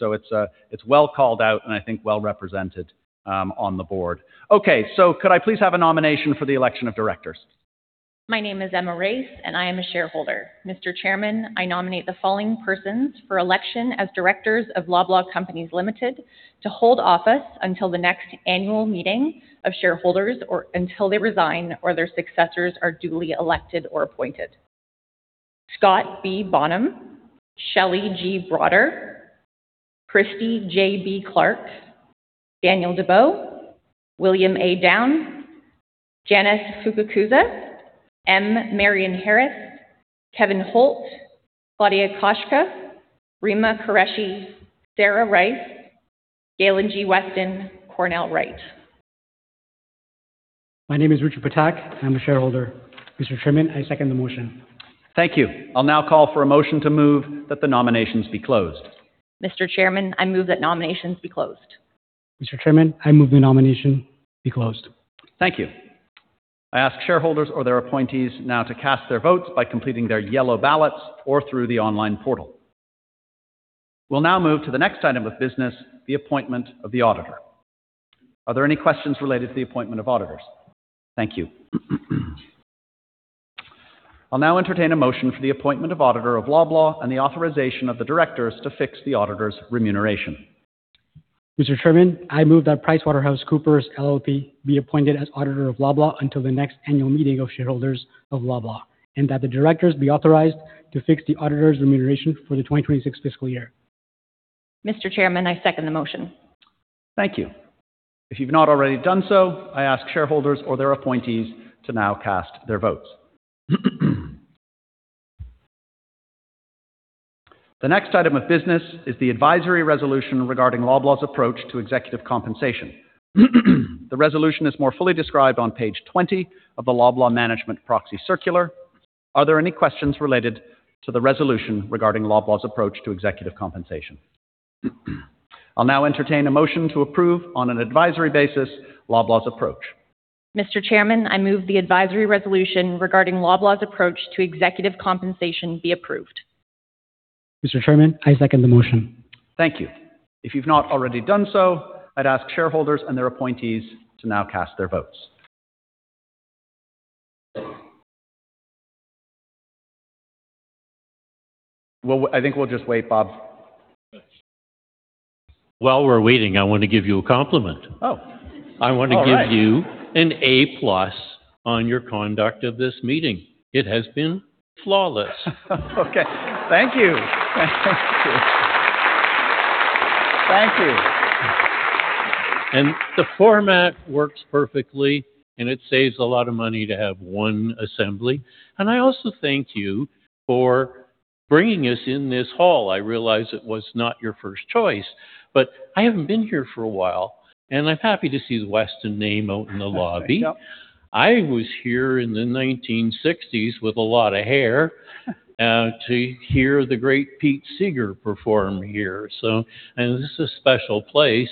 It's well called out and I think well represented on the board. Okay, could I please have a nomination for the election of directors? My name is [Emma Race], and I am a shareholder. Mr. Chairman, I nominate the following persons for election as directors of Loblaw Companies Limited to hold office until the next Annual Meeting of Shareholders or until they resign or their successors are duly elected or appointed. Scott B. Bonham, Shelley G. Broader, Christie J.B. Clark, Daniel Debow, William A. Downe, Janice Fukakusa, M. Marianne Harris, Kevin Holt, Claudia Kotchka, Rima Qureshi, Sarah Davis, Galen G. Weston, Cornell Wright. My name is [Richard Patak]. I'm a shareholder. Mr. Chairman, I second the motion. Thank you. I'll now call for a motion to move that the nominations be closed. Mr. Chairman, I move that nominations be closed. Mr. Chairman, I move the nomination be closed. Thank you. I ask shareholders or their appointees now to cast their votes by completing their yellow ballots or through the online portal. We'll now move to the next item of business, the appointment of the auditor. Are there any questions related to the appointment of auditors? Thank you. I'll now entertain a motion for the appointment of auditor of Loblaw and the authorization of the directors to fix the auditor's remuneration. Mr. Chairman, I move that PricewaterhouseCoopers LLP be appointed as auditor of Loblaw until the next Annual Meeting of Shareholders of Loblaw, that the directors be authorized to fix the auditor's remuneration for the 2026 fiscal year. Mr. Chairman, I second the motion. Thank you. If you've not already done so, I ask shareholders or their appointees to now cast their votes. The next item of business is the advisory resolution regarding Loblaw's approach to executive compensation. The resolution is more fully described on page 20 of the Loblaw Management Proxy Circular. Are there any questions related to the resolution regarding Loblaw's approach to executive compensation? I'll now entertain a motion to approve on an advisory basis Loblaw's approach. Mr. Chairman, I move the advisory resolution regarding Loblaw's approach to executive compensation be approved. Mr. Chairman, I second the motion. Thank you. If you've not already done so, I'd ask shareholders and their appointees to now cast their votes. Well, I think we'll just wait, Bob. While we're waiting, I want to give you a compliment. Oh. I want to give you- All right. an A plus on your conduct of this meeting. It has been flawless. Okay. Thank you. Thank you. Thank you. The format works perfectly, and it saves a lot of money to have one assembly. I also thank you for bringing us in this hall. I realize it was not your first choice, but I haven't been here for a while, and I'm happy to see the Weston name out in the lobby. That's right. Yep. I was here in the 1960s with a lot of hair to hear the great Pete Seeger perform here. This is a special place,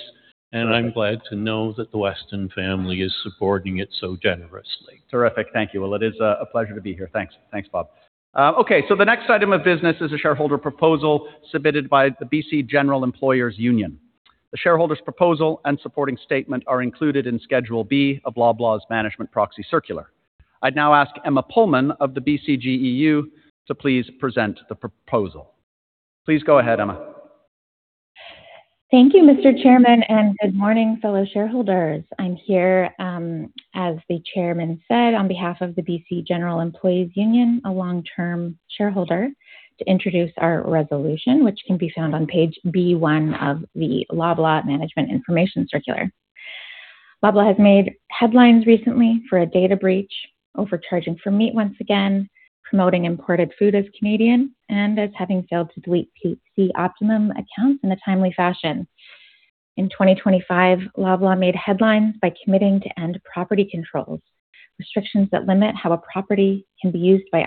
and I'm glad to know that the Weston family is supporting it so generously. Terrific. Thank you. It is a pleasure to be here. Thanks, Bob. The next item of business is a shareholder proposal submitted by the BC General Employees' Union. The shareholder's proposal and supporting statement are included in Schedule B of Loblaw's Management Proxy Circular. I'd now ask Emma Pullman of the BCGEU to please present the proposal. Please go ahead, Emma. Thank you, Mr. Chairman. Good morning, fellow shareholders. I'm here, as the Chairman said, on behalf of the BC General Employees' Union, a long-term shareholder, to introduce our resolution, which can be found on page B1 of the Loblaw Management Information Circular. Loblaw has made headlines recently for a data breach, overcharging for meat once again, promoting imported food as Canadian, and as having failed to delete PC Optimum accounts in a timely fashion. In 2025, Loblaw made headlines by committing to end property controls, restrictions that limit how a property can be used by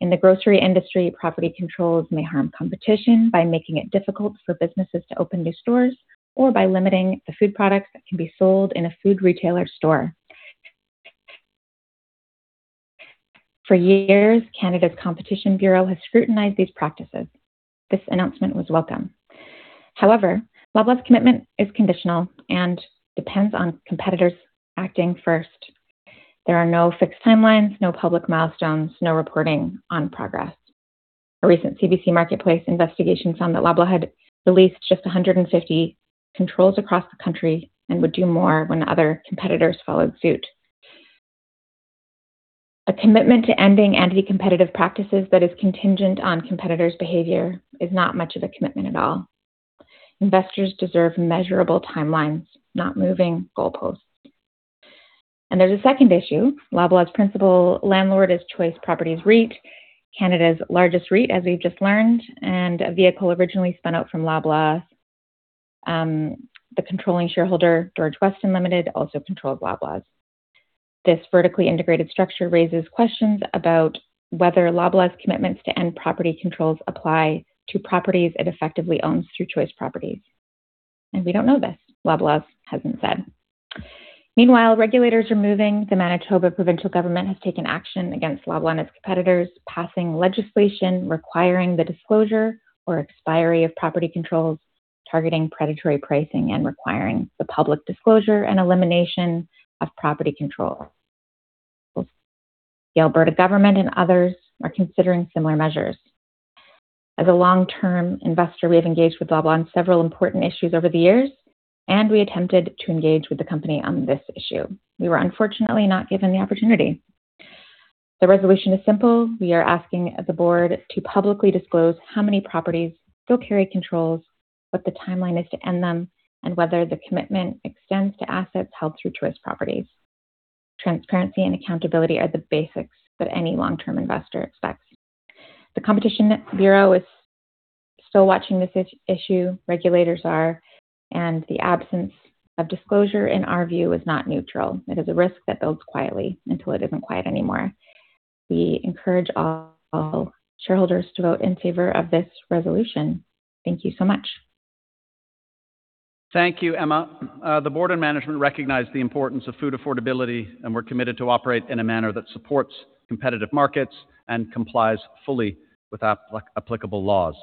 others. In the grocery industry, property controls may harm competition by making it difficult for businesses to open new stores or by limiting the food products that can be sold in a food retailer store. For years, Canada's Competition Bureau Canada has scrutinized these practices. This announcement was welcome. However, Loblaw's commitment is conditional and depends on competitors acting first. There are no fixed timelines, no public milestones, no reporting on progress. A recent CBC Marketplace investigation found that Loblaw had released just 150 controls across the country and would do more when other competitors followed suit. A commitment to ending anti-competitive practices that is contingent on competitors' behavior is not much of a commitment at all. Investors deserve measurable timelines, not moving goalposts. There's a second issue. Loblaw's principal landlord is Choice Properties REIT, Canada's largest REIT, as we've just learned, and a vehicle originally spun out from Loblaw. The controlling shareholder, George Weston Limited, also controls Loblaw's. This vertically integrated structure raises questions about whether Loblaw's commitments to end property controls apply to properties it effectively owns through Choice Properties. We don't know this. Loblaw hasn't said. Meanwhile, regulators are moving the Manitoba provincial government has taken action against Loblaw and its competitors, passing legislation requiring the disclosure or expiry of property controls, targeting predatory pricing, and requiring the public disclosure and elimination of property control. The Alberta government and others are considering similar measures. As a long-term investor, we've engaged with Loblaw on several important issues over the years, and we attempted to engage with the company on this issue. We were unfortunately not given the opportunity. The resolution is simple. We are asking the board to publicly disclose how many properties still carry controls, what the timeline is to end them, and whether the commitment extends to assets held through Choice Properties. Transparency and accountability are the basics that any long-term investor expects. The Competition Bureau is still watching this issue, regulators are, and the absence of disclosure, in our view, is not neutral. It is a risk that builds quietly until it isn't quiet anymore. We encourage all shareholders to vote in favor of this resolution. Thank you so much. Thank you, Emma. The board and management recognize the importance of food affordability, and we're committed to operate in a manner that supports competitive markets and complies fully with applicable laws.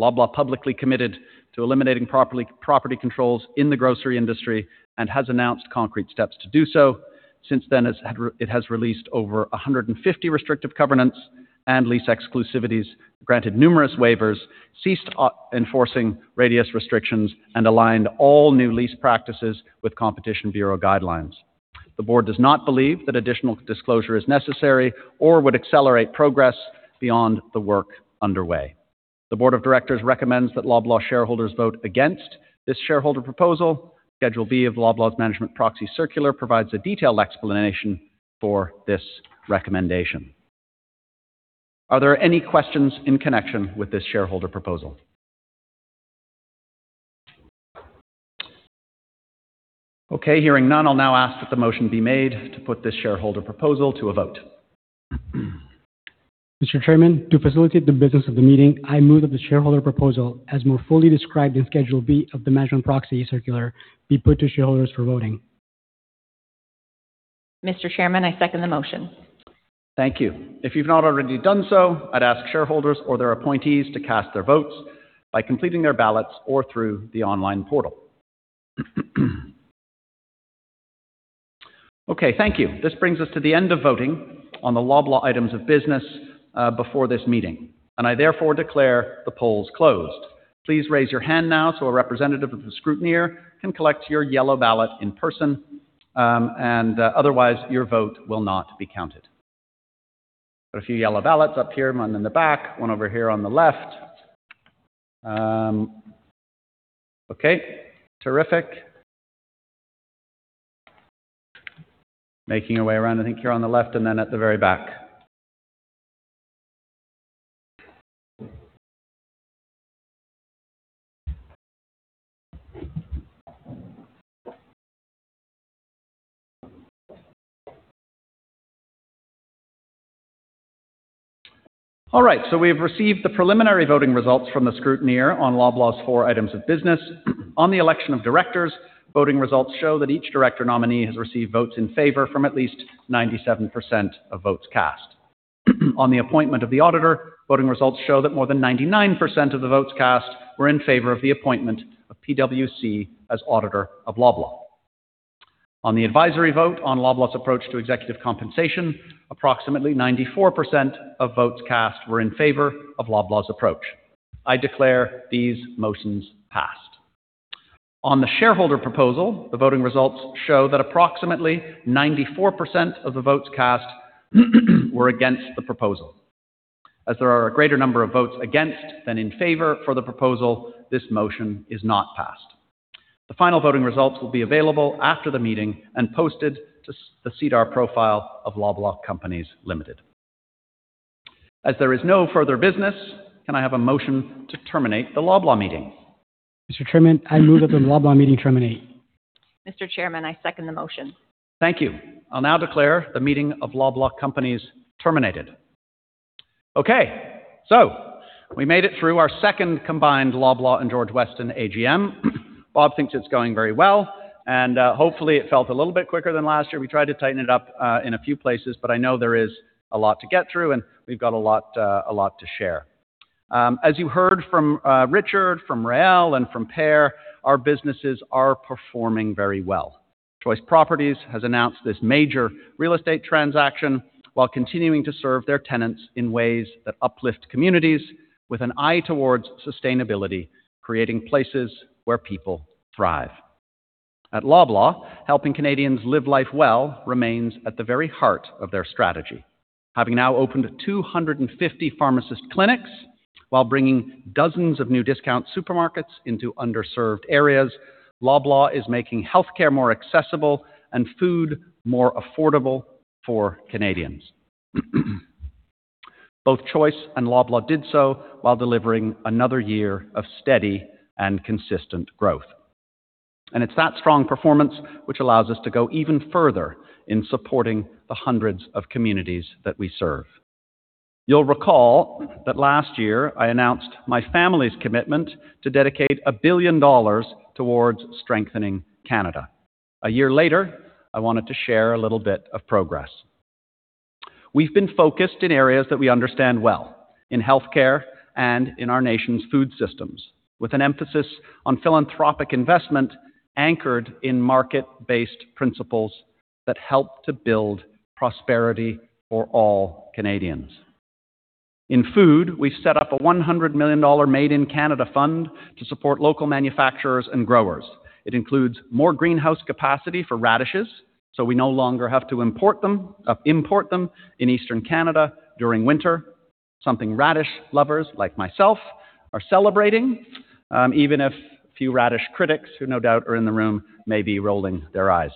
Loblaw publicly committed to eliminating property controls in the grocery industry and has announced concrete steps to do so. Since then, it has released over 150 restrictive covenants and lease exclusivities, granted numerous waivers, ceased enforcing radius restrictions, and aligned all new lease practices with Competition Bureau guidelines. The board does not believe that additional disclosure is necessary or would accelerate progress beyond the work underway. The board of directors recommends that Loblaw shareholders vote against this shareholder proposal. Schedule B of Loblaw's management proxy circular provides a detailed explanation for this recommendation. Are there any questions in connection with this shareholder proposal? Okay. Hearing none, I'll now ask that the motion be made to put this shareholder proposal to a vote. Mr. Chairman, to facilitate the business of the meeting, I move that the shareholder proposal, as more fully described in Schedule B of the management proxy circular, be put to shareholders for voting. Mr. Chairman, I second the motion. Thank you. If you've not already done so, I'd ask shareholders or their appointees to cast their votes by completing their ballots or through the online portal. Okay, thank you. This brings us to the end of voting on the Loblaw items of business before this meeting, and I therefore declare the polls closed. Please raise your hand now so a representative of the scrutineer can collect your yellow ballot in person, and otherwise, your vote will not be counted. Got a few yellow ballots up here, one in the back, one over here on the left. Okay. Terrific. Making our way around. I think you're on the left and then at the very back. All right. We've received the preliminary voting results from the scrutineer on Loblaw's four items of business. On the election of directors, voting results show that each director nominee has received votes in favor from at least 97% of votes cast. On the appointment of the auditor, voting results show that more than 99% of the votes cast were in favor of the appointment of PwC as auditor of Loblaw. On the advisory vote on Loblaw's approach to executive compensation, approximately 94% of votes cast were in favor of Loblaw's approach. I declare these motions passed. On the shareholder proposal, the voting results show that approximately 94% of the votes cast were against the proposal. As there are a greater number of votes against than in favor for the proposal, this motion is not passed. The final voting results will be available after the meeting and posted to the SEDAR profile of Loblaw Companies Limited. There is no further business, can I have a motion to terminate the Loblaw meeting? Mr. Chairman, I move that the Loblaw meeting terminate. Mr. Chairman, I second the motion. Thank you. I'll now declare the meeting of Loblaw Companies terminated. Okay, we made it through our second combined Loblaw and George Weston AGM. Bob thinks it's going very well, hopefully it felt a little bit quicker than last year. We tried to tighten it up in a few places, I know there is a lot to get through, we've got a lot to share. As you heard from Richard, from Rael, from Per, our businesses are performing very well. Choice Properties has announced this major real estate transaction while continuing to serve their tenants in ways that uplift communities with an eye towards sustainability, creating places where people thrive. At Loblaw, helping Canadians live life well remains at the very heart of their strategy. Having now opened 250 pharmacist clinics while bringing dozens of new discount supermarkets into underserved areas, Loblaw is making healthcare more accessible and food more affordable for Canadians. Both Choice and Loblaw did so while delivering another year of steady and consistent growth. It's that strong performance which allows us to go even further in supporting the hundreds of communities that we serve. You'll recall that last year I announced my family's commitment to dedicate 1 billion dollars towards strengthening Canada. A year later, I wanted to share a little bit of progress. We've been focused in areas that we understand well, in healthcare and in our nation's food systems, with an emphasis on philanthropic investment anchored in market-based principles that help to build prosperity for all Canadians. In food, we've set up a 100 million dollar Made in Canada fund to support local manufacturers and growers. It includes more greenhouse capacity for radishes, so we no longer have to import them in Eastern Canada during winter. Something radish lovers like myself are celebrating, even if a few radish critics who no doubt are in the room may be rolling their eyes.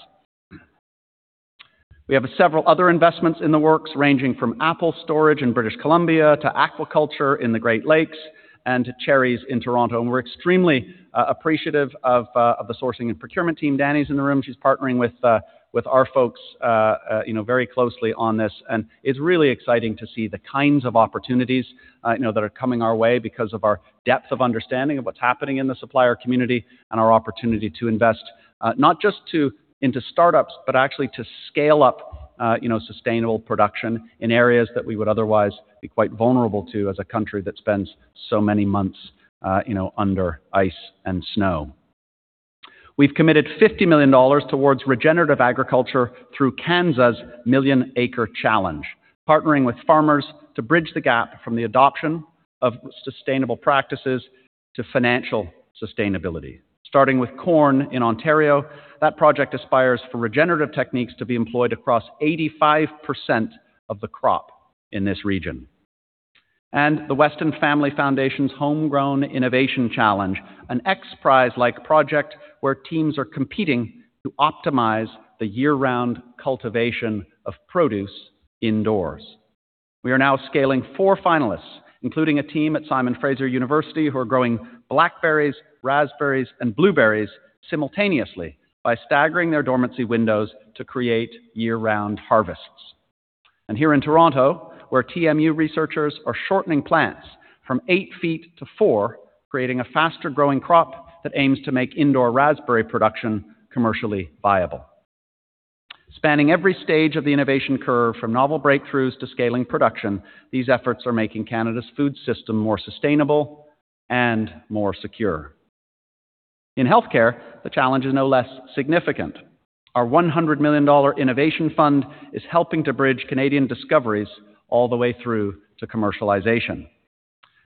We have several other investments in the works, ranging from apple storage in British Columbia to aquaculture in the Great Lakes and cherries in Toronto, and we're extremely appreciative of the sourcing and procurement team. Dani's in the room, she's partnering with our folks, you know, very closely on this, and it's really exciting to see the kinds of opportunities, you know, that are coming our way because of our depth of understanding of what's happening in the supplier community and our opportunity to invest, not just to, into startups, but actually to scale up, you know, sustainable production in areas that we would otherwise be quite vulnerable to as a country that spends so many months, you know, under ice and snow. We've committed 50 million dollars towards regenerative agriculture through CANZA's Million Acre Challenge, partnering with farmers to bridge the gap from the adoption of sustainable practices to financial sustainability. Starting with corn in Ontario, that project aspires for regenerative techniques to be employed across 85% of the crop in this region. The Weston Family Foundation's Homegrown Innovation Challenge, an XPRIZE-like project where teams are competing to optimize the year-round cultivation of produce indoors. We are now scaling four finalists, including a team at Simon Fraser University who are growing blackberries, raspberries, and blueberries simultaneously by staggering their dormancy windows to create year-round harvests. Here in Toronto, where TMU researchers are shortening plants from 8 ft to 4 ft, creating a faster-growing crop that aims to make indoor raspberry production commercially viable. Spanning every stage of the innovation curve, from novel breakthroughs to scaling production, these efforts are making Canada's food system more sustainable and more secure. In healthcare, the challenge is no less significant. Our 100 million dollar innovation fund is helping to bridge Canadian discoveries all the way through to commercialization.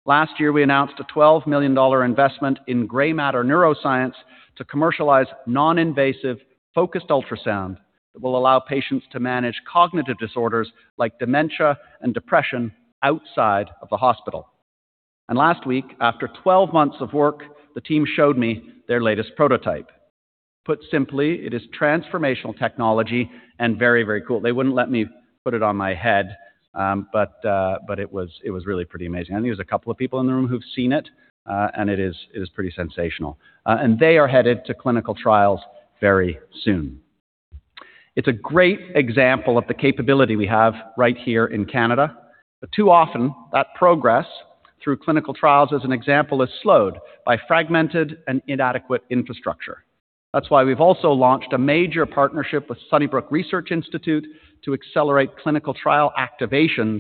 Last year, we announced a 12 million dollar investment in Grey Matter Neurosciences to commercialize non-invasive focused ultrasound that will allow patients to manage cognitive disorders like dementia and depression outside of the hospital. Last week, after 12 months of work, the team showed me their latest prototype. Put simply, it is transformational technology and very, very cool. They wouldn't let me put it on my head, but it was really pretty amazing. I think there's a couple of people in the room who've seen it, and it is pretty sensational. They are headed to clinical trials very soon. It's a great example of the capability we have right here in Canada, too often that progress through clinical trials, as an example, is slowed by fragmented and inadequate infrastructure. That's why we've also launched a major partnership with Sunnybrook Research Institute to accelerate clinical trial activations,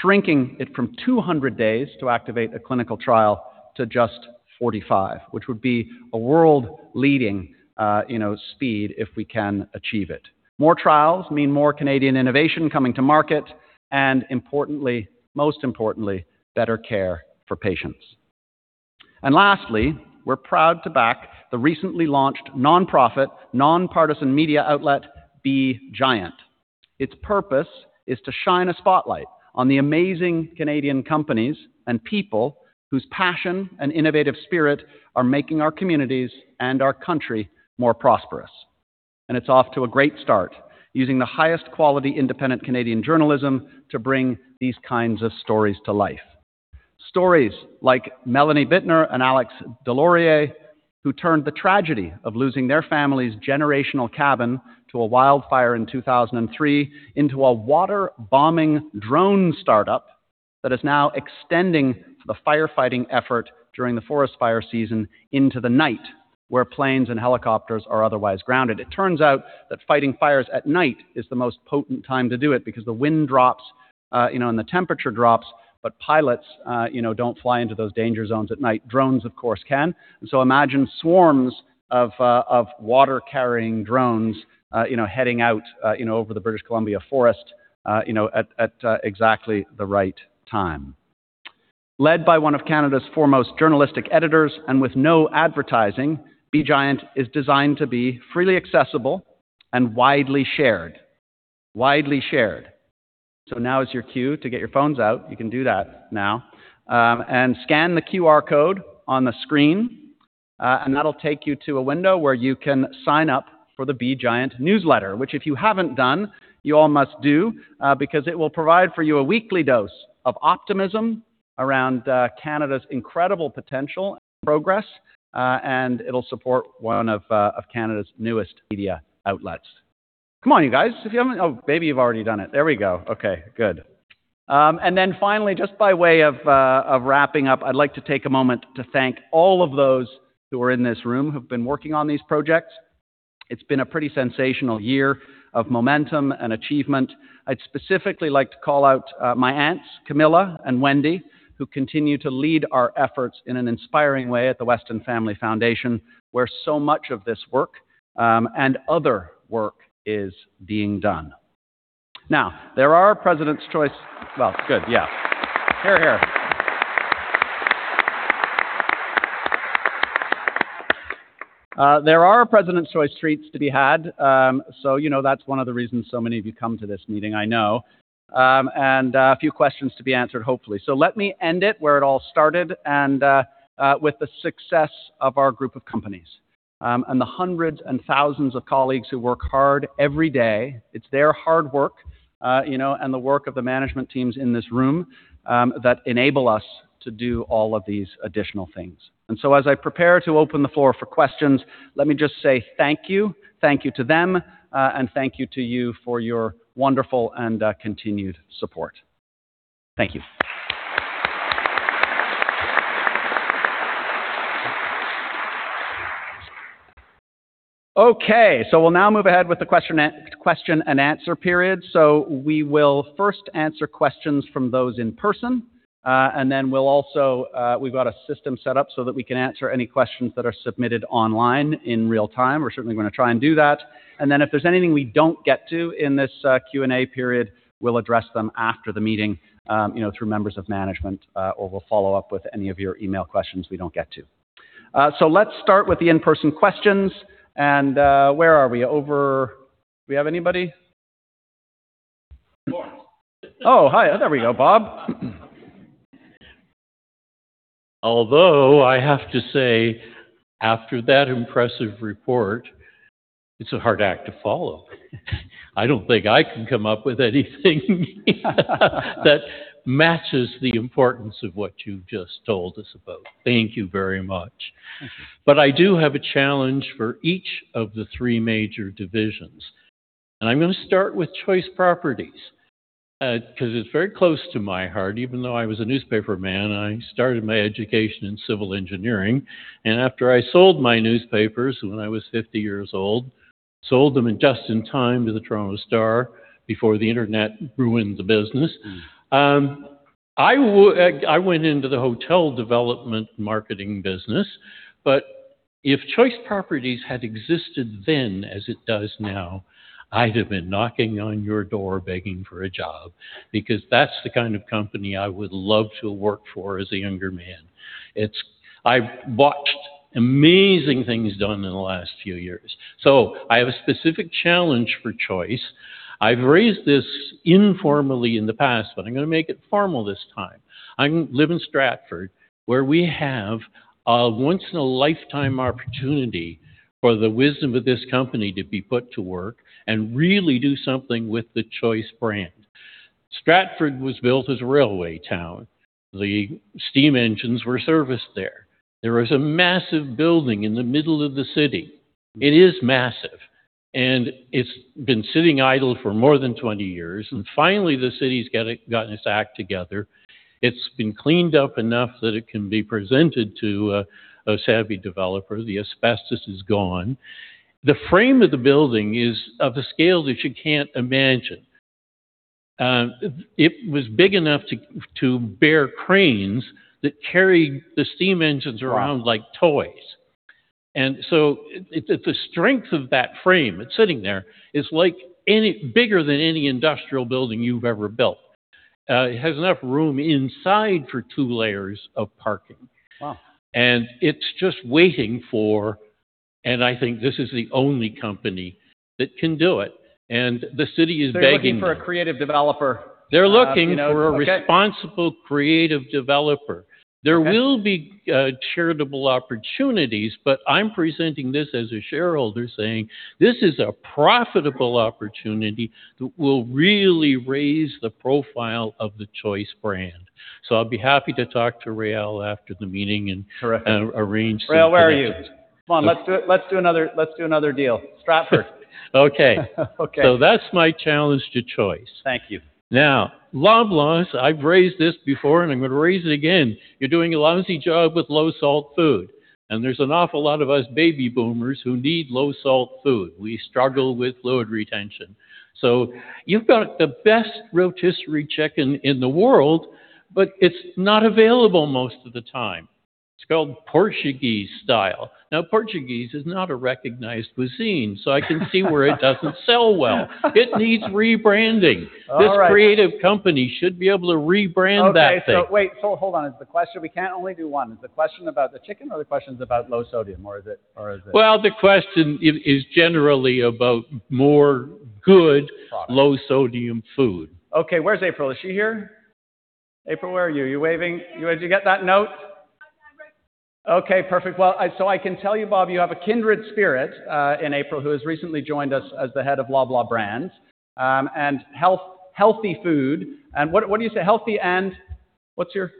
shrinking it from 200 days to activate a clinical trial to just 45, which would be a world-leading, you know, speed if we can achieve it. More trials mean more Canadian innovation coming to market and importantly, most importantly, better care for patients. Lastly, we're proud to back the recently launched nonprofit, nonpartisan media outlet, Be Giant. Its purpose is to shine a spotlight on the amazing Canadian companies and people whose passion and innovative spirit are making our communities and our country more prosperous. It's off to a great start using the highest quality independent Canadian journalism to bring these kinds of stories to life. Stories like Melanie Bittner and Alex Deslauriers, who turned the tragedy of losing their family's generational cabin to a wildfire in 2003 into a water-bombing drone startup that is now extending the firefighting effort during the forest fire season into the night, where planes and helicopters are otherwise grounded. It turns out that fighting fires at night is the most potent time to do it because the wind drops, you know, and the temperature drops, but pilots, you know, don't fly into those danger zones at night. Drones, of course, can. Imagine swarms of water-carrying drones, you know, heading out, you know, over the British Columbia forest, you know, at exactly the right time. Led by one of Canada's foremost journalistic editors and with no advertising, Be Giant is designed to be freely accessible and widely shared. Widely shared. Now is your cue to get your phones out. You can do that now. Scan the QR code on the screen, and that'll take you to a window where you can sign up for the Be Giant newsletter, which if you haven't done, you all must do, because it will provide for you a weekly dose of optimism around Canada's incredible potential and progress, and it'll support one of Canada's newest media outlets. Come on, you guys. Oh, maybe you've already done it. There we go. Okay, good. Finally, just by way of wrapping up, I'd like to take a moment to thank all of those who are in this room who've been working on these projects. It's been a pretty sensational year of momentum and achievement. I'd specifically like to call out my aunts, Camilla and Wendy, who continue to lead our efforts in an inspiring way at the Weston Family Foundation, where so much of this work and other work is being done. Good. Yeah. Hear, hear. There are President's Choice treats to be had. You know, that's one of the reasons so many of you come to this meeting, I know. A few questions to be answered, hopefully. Let me end it where it all started and with the success of our group of companies, and the hundreds and thousands of colleagues who work hard every day. It's their hard work, you know, and the work of the management teams in this room, that enable us to do all of these additional things. As I prepare to open the floor for questions, let me just say thank you. Thank you to them, and thank you to you for your wonderful and continued support. Thank you. We'll now move ahead with the question and answer period. We will first answer questions from those in person, and then we'll also, we've got a system set up so that we can answer any questions that are submitted online in real time. We're certainly going to try and do that. If there's anything we don't get to in this Q&A period, we'll address them after the meeting, you know, through members of management, or we'll follow up with any of your email questions we don't get to. Let's start with the in-person questions. Where are we? Over. Do we have anybody? Of course. Oh, hi. There we go, Bob. Although I have to say, after that impressive report, it's a hard act to follow. I don't think I can come up with anything that matches the importance of what you've just told us about. Thank you very much. I do have a challenge for each of the three major divisions. I'm going to start with Choice Properties, 'cause it's very close to my heart. Even though I was a newspaper man, I started my education in civil engineering. After I sold my newspapers when I was 50 years old, sold them just in time to the Toronto Star before the internet ruined the business, I went into the hotel development marketing business. If Choice Properties had existed then as it does now, I'd have been knocking on your door begging for a job because that's the kind of company I would love to work for as a younger man. I've watched amazing things done in the last few years. I have a specific challenge for Choice. I've raised this informally in the past, but I'm going to make it formal this time. I live in Stratford, where we have a once in a lifetime opportunity for the wisdom of this company to be put to work and really do something with the Choice brand. Stratford was built as a railway town. The steam engines were serviced there. There was a massive building in the middle of the city. It is massive, and it's been sitting idle for more than 20 years. Finally, the city's gotten its act together. It's been cleaned up enough that it can be presented to a savvy developer. The asbestos is gone. The frame of the building is of a scale that you can't imagine. It was big enough to bear cranes that carried the steam engines around like toys. The strength of that frame, it's sitting there, is like any bigger than any industrial building you've ever built. It has enough room inside for two layers of parking. Wow. It's just waiting for, and I think this is the only company that can do it. The city is begging them. They're looking for a creative developer, you know. They're looking for a responsible creative developer. Okay. There will be charitable opportunities, but I'm presenting this as a shareholder saying, "This is a profitable opportunity that will really raise the profile of the Choice brand." I'll be happy to talk to Rael after the meeting. Correct. Arrange some connections. Rael, where are you? Come on, let's do another deal. Stratford. Okay. Okay. That's my challenge to Choice. Thank you. Loblaw's, I've raised this before, and I'm gonna raise it again. You're doing a lousy job with low-salt food, and there's an awful lot of us baby boomers who need low-salt food. We struggle with fluid retention. You've got the best rotisserie chicken in the world, but it's not available most of the time. It's called Portuguese style. Portuguese is not a recognized cuisine, where it doesn't sell well. It needs rebranding. All right. This creative company should be able to rebrand that thing. Okay. Wait, so hold on. Is the question? We can't only do one. Is the question about the chicken, or the question's about low sodium, or is it? Well, the question is generally about more good- Products.... low-sodium food. Okay. Where's April? Is she here? April, where are you? You waving? I'm here. You, did you get that note? I've got it. Okay, perfect. Well, I can tell you, Bob, you have a kindred spirit in April, who has recently joined us as the Head of Loblaw Brands and Healthy Food. What do you say? Healthy and what's your?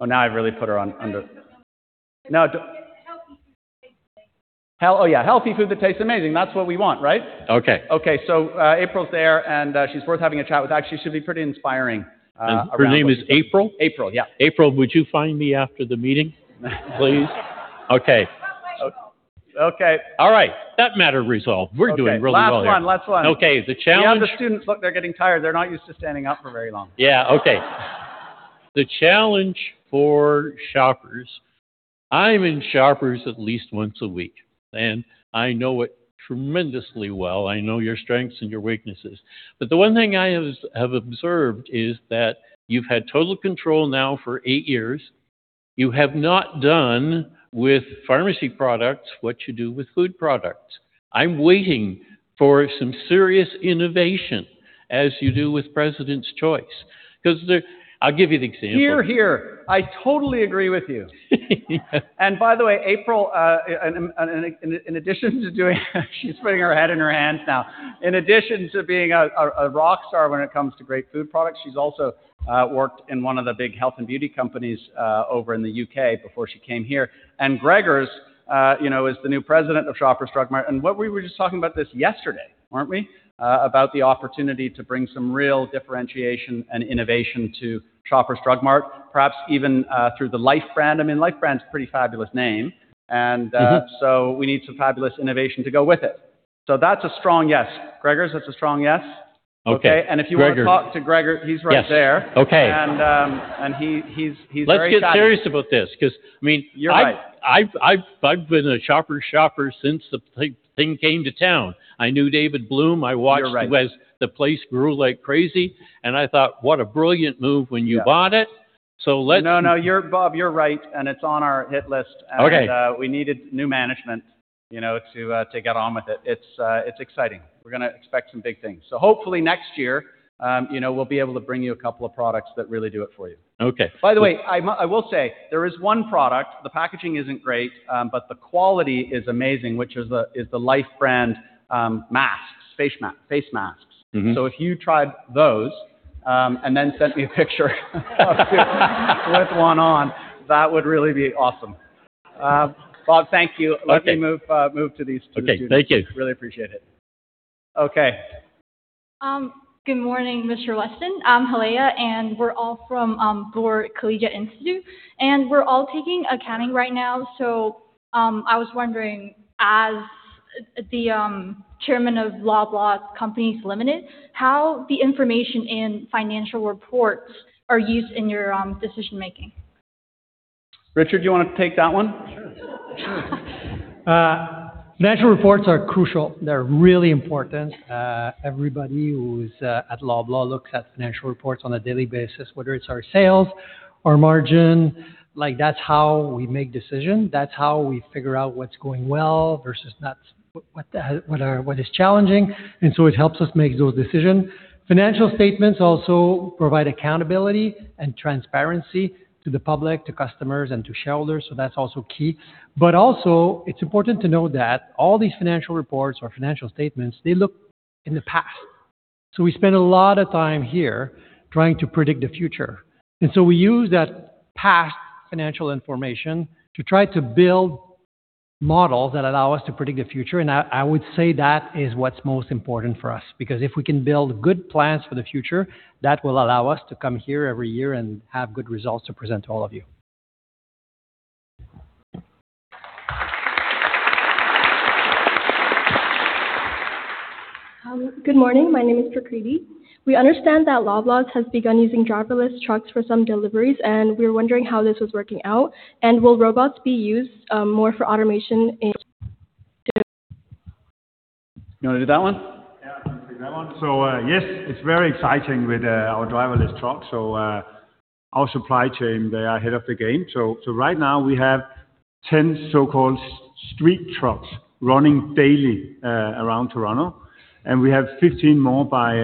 Oh, now I've really put her on, under- I can tell you. No. It's healthy food that tastes amazing. oh yeah, healthy food that tastes amazing. That's what we want, right? Okay. Okay. April's there, and she's worth having a chat with. She'll be pretty inspiring. Her name is April? April, yeah. April, would you find me after the meeting please? Okay. I'll find you. Okay. All right. That matter resolved. We're doing really well here. Okay. Last one, last one. Okay. The challenge. We have the students. Look, they're getting tired. They're not used to standing up for very long. Yeah. Okay. The challenge for Shoppers, I'm in Shoppers at least once a week, and I know it tremendously well. I know your strengths and your weaknesses. The one thing I have observed is that you've had total control now for eight years. You have not done with pharmacy products what you do with food products. I'm waiting for some serious innovation, as you do with President's Choice, 'cause there I'll give you the example. Hear, hear. I totally agree with you. Yeah. By the way, April, in addition to doing, she's putting her head in her hands now. In addition to being a rock star when it comes to great food products, she's also worked in one of the big health and beauty companies over in the U.K. before she came here. Gregers', you know, is the new president of Shoppers Drug Mart. What we were just talking about this yesterday, weren't we? About the opportunity to bring some real differentiation and innovation to Shoppers Drug Mart, perhaps even through the Life Brand. I mean, Life Brand's a pretty fabulous name. we need some fabulous innovation to go with it. That's a strong yes. Gregers, is this a strong yes? Okay. Gregor- Okay? If you wanna talk to Gregor, he's right there. Yes. Okay. He's very chatty. Let's get serious about this, 'cause I mean. You're right. I've been a Shoppers shopper since the thing came to town. I knew David Bloom. You're right. As the place grew like crazy, and I thought, "What a brilliant move when you bought it. Yeah. Let's- No, no, you're, Bob, you're right. It's on our hit list. Okay. We needed new management, you know, to get on with it. It's exciting. We're gonna expect some big things. Hopefully next year, you know, we'll be able to bring you a couple of products that really do it for you. Okay. By the way, I will say there is one product, the packaging isn't great, but the quality is amazing, which is the Life Brand masks, face masks. If you tried those, and then sent me a picture of you with one on, that would really be awesome. Bob, thank you. Okay. Let me move to these two students. Okay. Thank you. Really appreciate it. Okay. Good morning, Mr. Weston. I'm [Helaya], and we're all from Bloor Collegiate Institute, and we're all taking accounting right now. I was wondering, as the Chairman of Loblaw Companies Limited, how the information in financial reports are used in your decision-making? Richard, do you wanna take that one? Sure, sure. Financial reports are crucial. They're really important. Everybody who's at Loblaw looks at financial reports on a daily basis, whether it's our sales, our margin. Like, that's how we make decision. That's how we figure out what's going well versus not, what is challenging. It helps us make those decision. Financial statements also provide accountability and transparency to the public, to customers, and to shareholders, that's also key. Also, it's important to know that all these financial reports or financial statements, they look in the past. We spend a lot of time here trying to predict the future. We use that past financial information to try to build models that allow us to predict the future. I would say that is what's most important for us because if we can build good plans for the future, that will allow us to come here every year and have good results to present to all of you. Good morning. My name is [Prakriti]. We understand that Loblaw's has begun using driverless trucks for some deliveries, and we were wondering how this was working out. Will robots be used more for automation in delivery? You wanna do that one? Yeah, I can take that one. Yes, it's very exciting with our driverless trucks. Our supply chain, they are ahead of the game. Right now we have 10 so-called street trucks running daily around Toronto, and we have 15 more by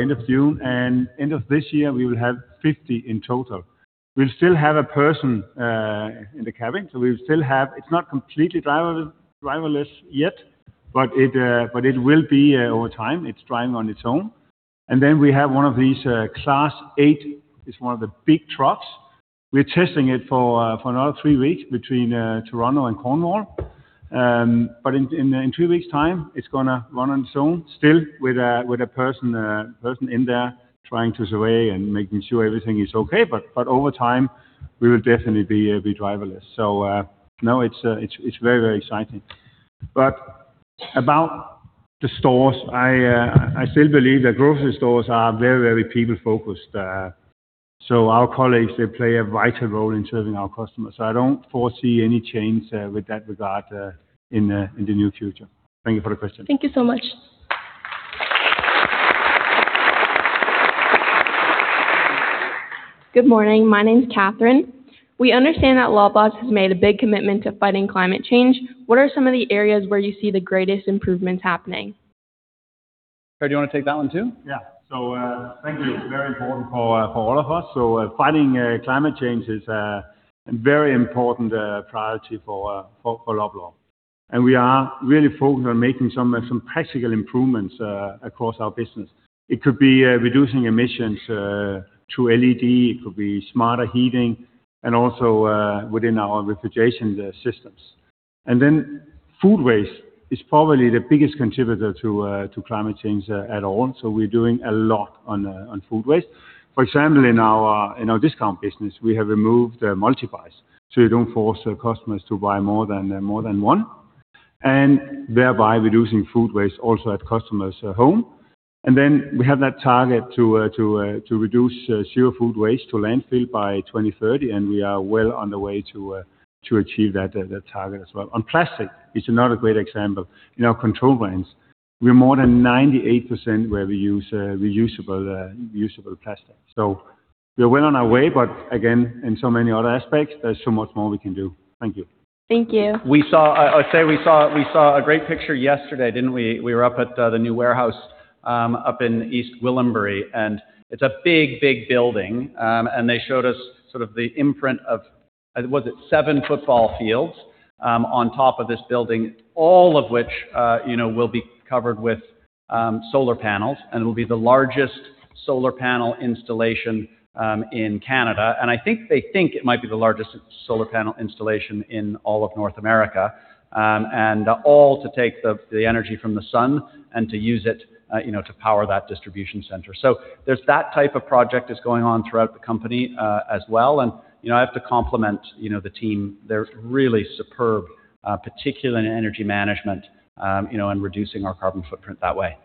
end of June, and end of this year we will have 50 in total. We'll still have a person in the cabin. It's not completely driverless yet, but it will be over time. It's driving on its own. We have one of these Class 8. It's one of the big trucks. We're testing it for another three weeks between Toronto and Cornwall. In three weeks' time, it's gonna run on its own, still with a person in there trying to survey and making sure everything is okay. Over time, we will definitely be driverless. It's very, very exciting. About the stores, I still believe that grocery stores are very, very people-focused. Our colleagues, they play a vital role in serving our customers, I don't foresee any change with that regard in the near future. Thank you for the question. Thank you so much. Good morning. My name's Catherine. We understand that Loblaw's has made a big commitment to fighting climate change. What are some of the areas where you see the greatest improvements happening? Per, do you wanna take that one too? Yeah. Thank you. Very important for all of us. Fighting climate change is a very important priority for Loblaw. We are really focused on making some practical improvements across our business. It could be reducing emissions through LED. It could be smarter heating, and also within our refrigeration systems. Food waste is probably the biggest contributor to climate change at all, we're doing a lot on food waste. For example, in our discount business, we have removed multibuys, you don't force customers to buy more than one, thereby reducing food waste also at customers' home. We have that target to reduce zero food waste to landfill by 2030, and we are well on the way to achieve that target as well. On plastic, it's another great example. In our controlled brands, we're more than 98% where we use reusable plastic. We're well on our way, but again, in so many other aspects, there's so much more we can do. Thank you. Thank you. We saw, I'd say we saw a great picture yesterday, didn't we? We were up at the new warehouse up in East Gwillimbury, it's a big building. They showed us sort of the imprint of, was it seven football fields on top of this building, all of which, you know, will be covered with solar panels, it'll be the largest solar panel installation in Canada. I think they think it might be the largest solar panel installation in all of North America, all to take the energy from the sun and to use it, you know, to power that distribution center. There's that type of project that's going on throughout the company as well. You know, I have to compliment, you know, the team. They're really superb, particularly in energy management, you know, and reducing our carbon footprint that way.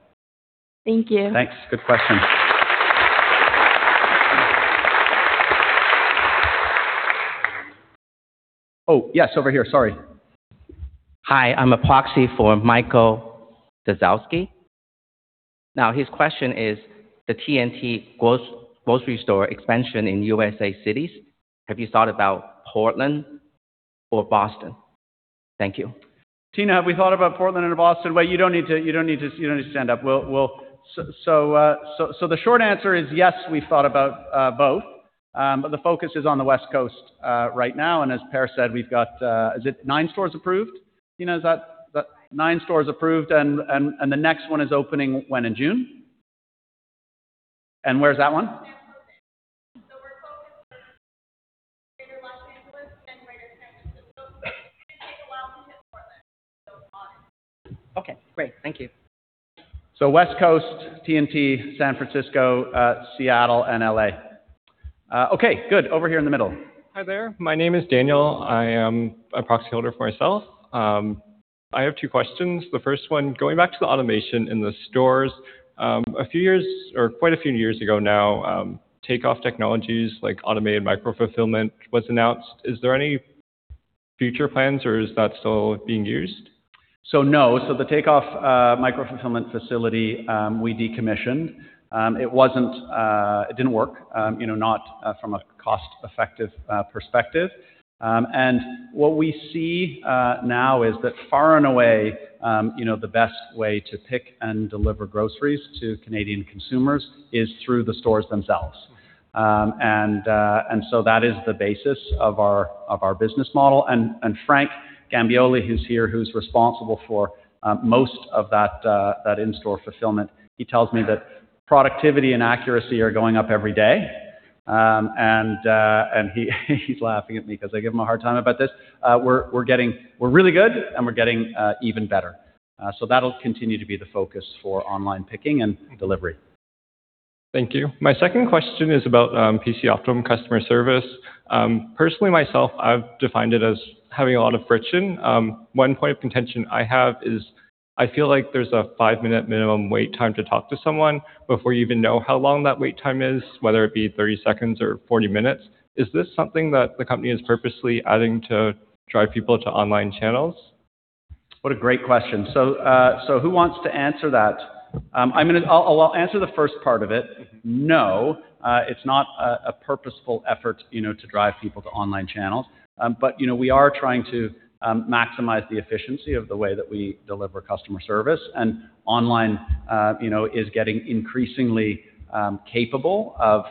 Thank you. Thanks. Good question. Oh, yes, over here. Sorry. Hi, I'm a proxy for [Michael Dasowski]. His question is the T&T Grocery Store expansion in U.S.A. cities. Have you thought about Portland or Boston? Thank you. Tina, have we thought about Portland and Boston? Well, you don't need to stand up. We'll. The short answer is yes, we've thought about both. The focus is on the West Coast right now, and as Per said, we've got, is it nine stores approved? Tina, is that? Nine. Nine stores approved and the next one is opening when? In June? Where's that one? San Francisco. We're focused on greater Los Angeles and greater San Francisco. It's gonna take a while to hit Portland. It's on it. Okay, great. Thank you. West Coast T&T, San Francisco, Seattle, and L.A. Okay, good. Over here in the middle. Hi there. My name is [Daniel]. I am a proxy holder for myself. I have two questions. The first one, going back to the automation in the stores, a few years, or quite a few years ago now, Takeoff Technologies, like automated micro-fulfillment was announced. Is there any future plans or is that still being used? No. The Takeoff micro-fulfillment facility we decommissioned. It wasn't, it didn't work, you know, not from a cost-effective perspective. What we see now is that far and away, you know, the best way to pick and deliver groceries to Canadian consumers is through the stores themselves. That is the basis of our business model. Frank Gambioli, who's here, who's responsible for most of that in-store fulfillment, he tells me that productivity and accuracy are going up every day. He's laughing at me because I give him a hard time about this. We're getting really good, and we're getting even better. That'll continue to be the focus for online picking and delivery. Thank you. My second question is about PC Optimum customer service. Personally, myself, I've defined it as having a lot of friction. One point of contention I have is I feel like there's a five-minute minimum wait time to talk to someone before you even know how long that wait time is, whether it be 30 seconds or 40 minutes. Is this something that the company is purposely adding to drive people to online channels? What a great question. Who wants to answer that? I'll answer the first part of it. No, it's not a purposeful effort, you know, to drive people to online channels. You know, we are trying to maximize the efficiency of the way that we deliver customer service. Online, you know, is getting increasingly capable of,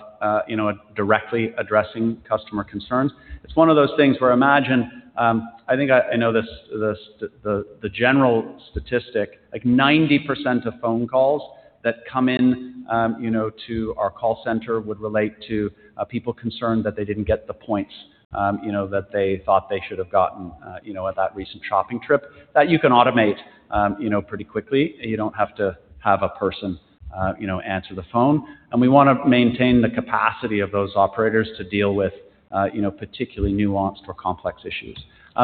you know, directly addressing customer concerns. It's one of those things where imagine, I think I know the general statistic, like 90% of phone calls that come in, you know, to our call center would relate to people concerned that they didn't get the points, you know, that they thought they should have gotten, you know, at that recent shopping trip. That you can automate, you know, pretty quickly. You don't have to have a person, you know, answer the phone. We wanna maintain the capacity of those operators to deal with, you know, particularly nuanced or complex issues.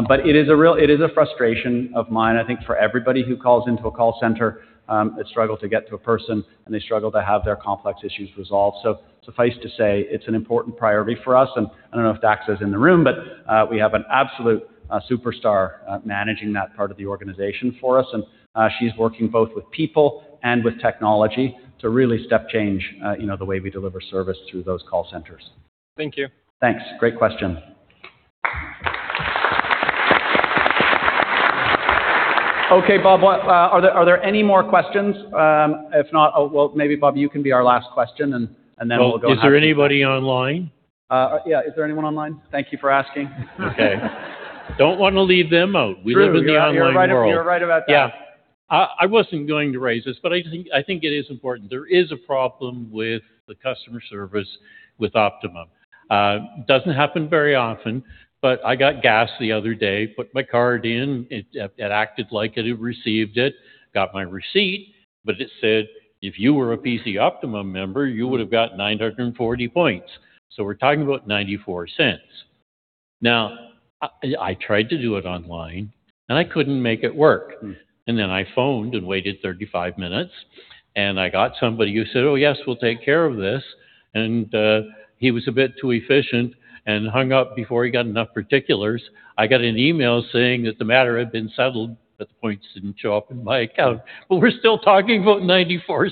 But it is a frustration of mine, I think for everybody who calls into a call center, they struggle to get to a person, and they struggle to have their complex issues resolved. Suffice to say, it's an important priority for us and I don't know if Dax is in the room, but we have an absolute superstar managing that part of the organization for us. She's working both with people and with technology to really step change, you know, the way we deliver service through those call centers. Thank you. Thanks. Great question. Okay, Bob, what, are there any more questions? If not, well, maybe Bob, you can be our last question. Well, is there anybody online? Yeah. Is there anyone online? Thank you for asking. Okay. Don't wanna leave them out. True. We live in the online world. You're right about that. Yeah. I wasn't going to raise this, I think it is important. There is a problem with the customer service with PC Optimum. It doesn't happen very often, I got gas the other day, put my card in, it acted like it had received it. I got my receipt, it said, "If you were a PC Optimum member, you would've got 940 points." We're talking about 0.94. Now, I tried to do it online, and I couldn't make it work. Then I phoned and waited 35 minutes, and I got somebody who said, "Oh yes, we'll take care of this." He was a bit too efficient and hung up before he got enough particulars. I got an email saying that the matter had been settled, but the points didn't show up in my account. We're still talking about 0.94.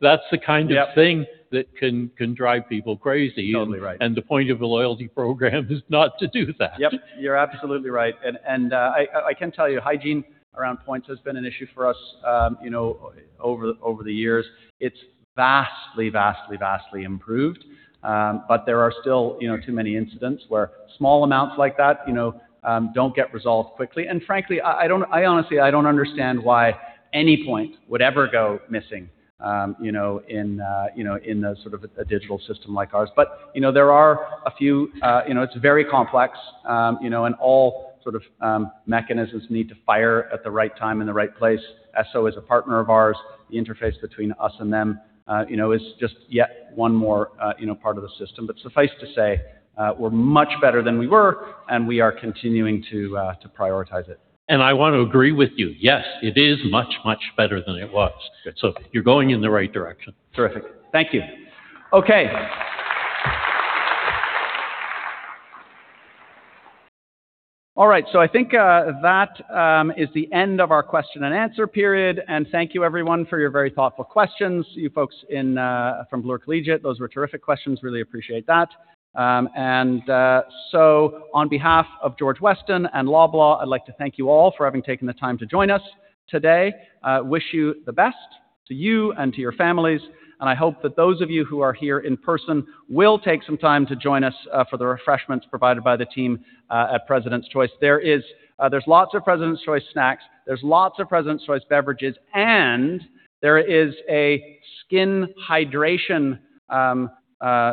That's the kind of- Yep.... thing that can drive people crazy. Totally right. The point of a loyalty program is not to do that. Yep. You're absolutely right. I can tell you hygiene around points has been an issue for us, you know, over the years. It's vastly improved. There are still, you know, too many incidents where small amounts like that, you know, don't get resolved quickly. Frankly, I don't honestly, I don't understand why any point would ever go missing, you know, in, you know, in a sort of a digital system like ours. You know, there are a few. You know, it's very complex. You know, all sort of mechanisms need to fire at the right time and the right place. Esso is a partner of ours. The interface between us and them, you know, is just yet one more, you know, part of the system. Suffice to say, we're much better than we were, and we are continuing to prioritize it. I want to agree with you. Yes, it is much, much better than it was. Good. You're going in the right direction. Terrific. Thank you. Okay. All right. I think that is the end of our question and answer period. Thank you everyone for your very thoughtful questions. You folks in from Bloor Collegiate Institute, those were terrific questions. Really appreciate that. On behalf of George Weston and Loblaw, I'd like to thank you all for having taken the time to join us today. Wish you the best to you and to your families. I hope that those of you who are here in person will take some time to join us for the refreshments provided by the team at President's Choice. There is there's lots of President's Choice snacks, there's lots of President's Choice beverages, and there is a skin hydration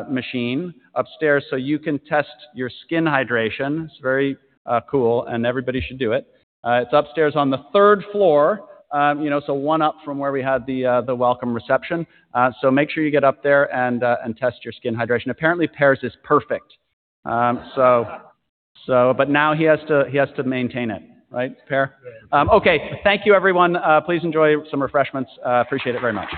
machine upstairs so you can test your skin hydration. It's very cool, and everybody should do it. It's upstairs on the third floor. You know, so one up from where we had the welcome reception. So make sure you get up there and test your skin hydration. Apparently Per's is perfect. Now he has to maintain it, right, Per? Yeah. Okay. Thank you everyone. Please enjoy some refreshments. Appreciate it very much.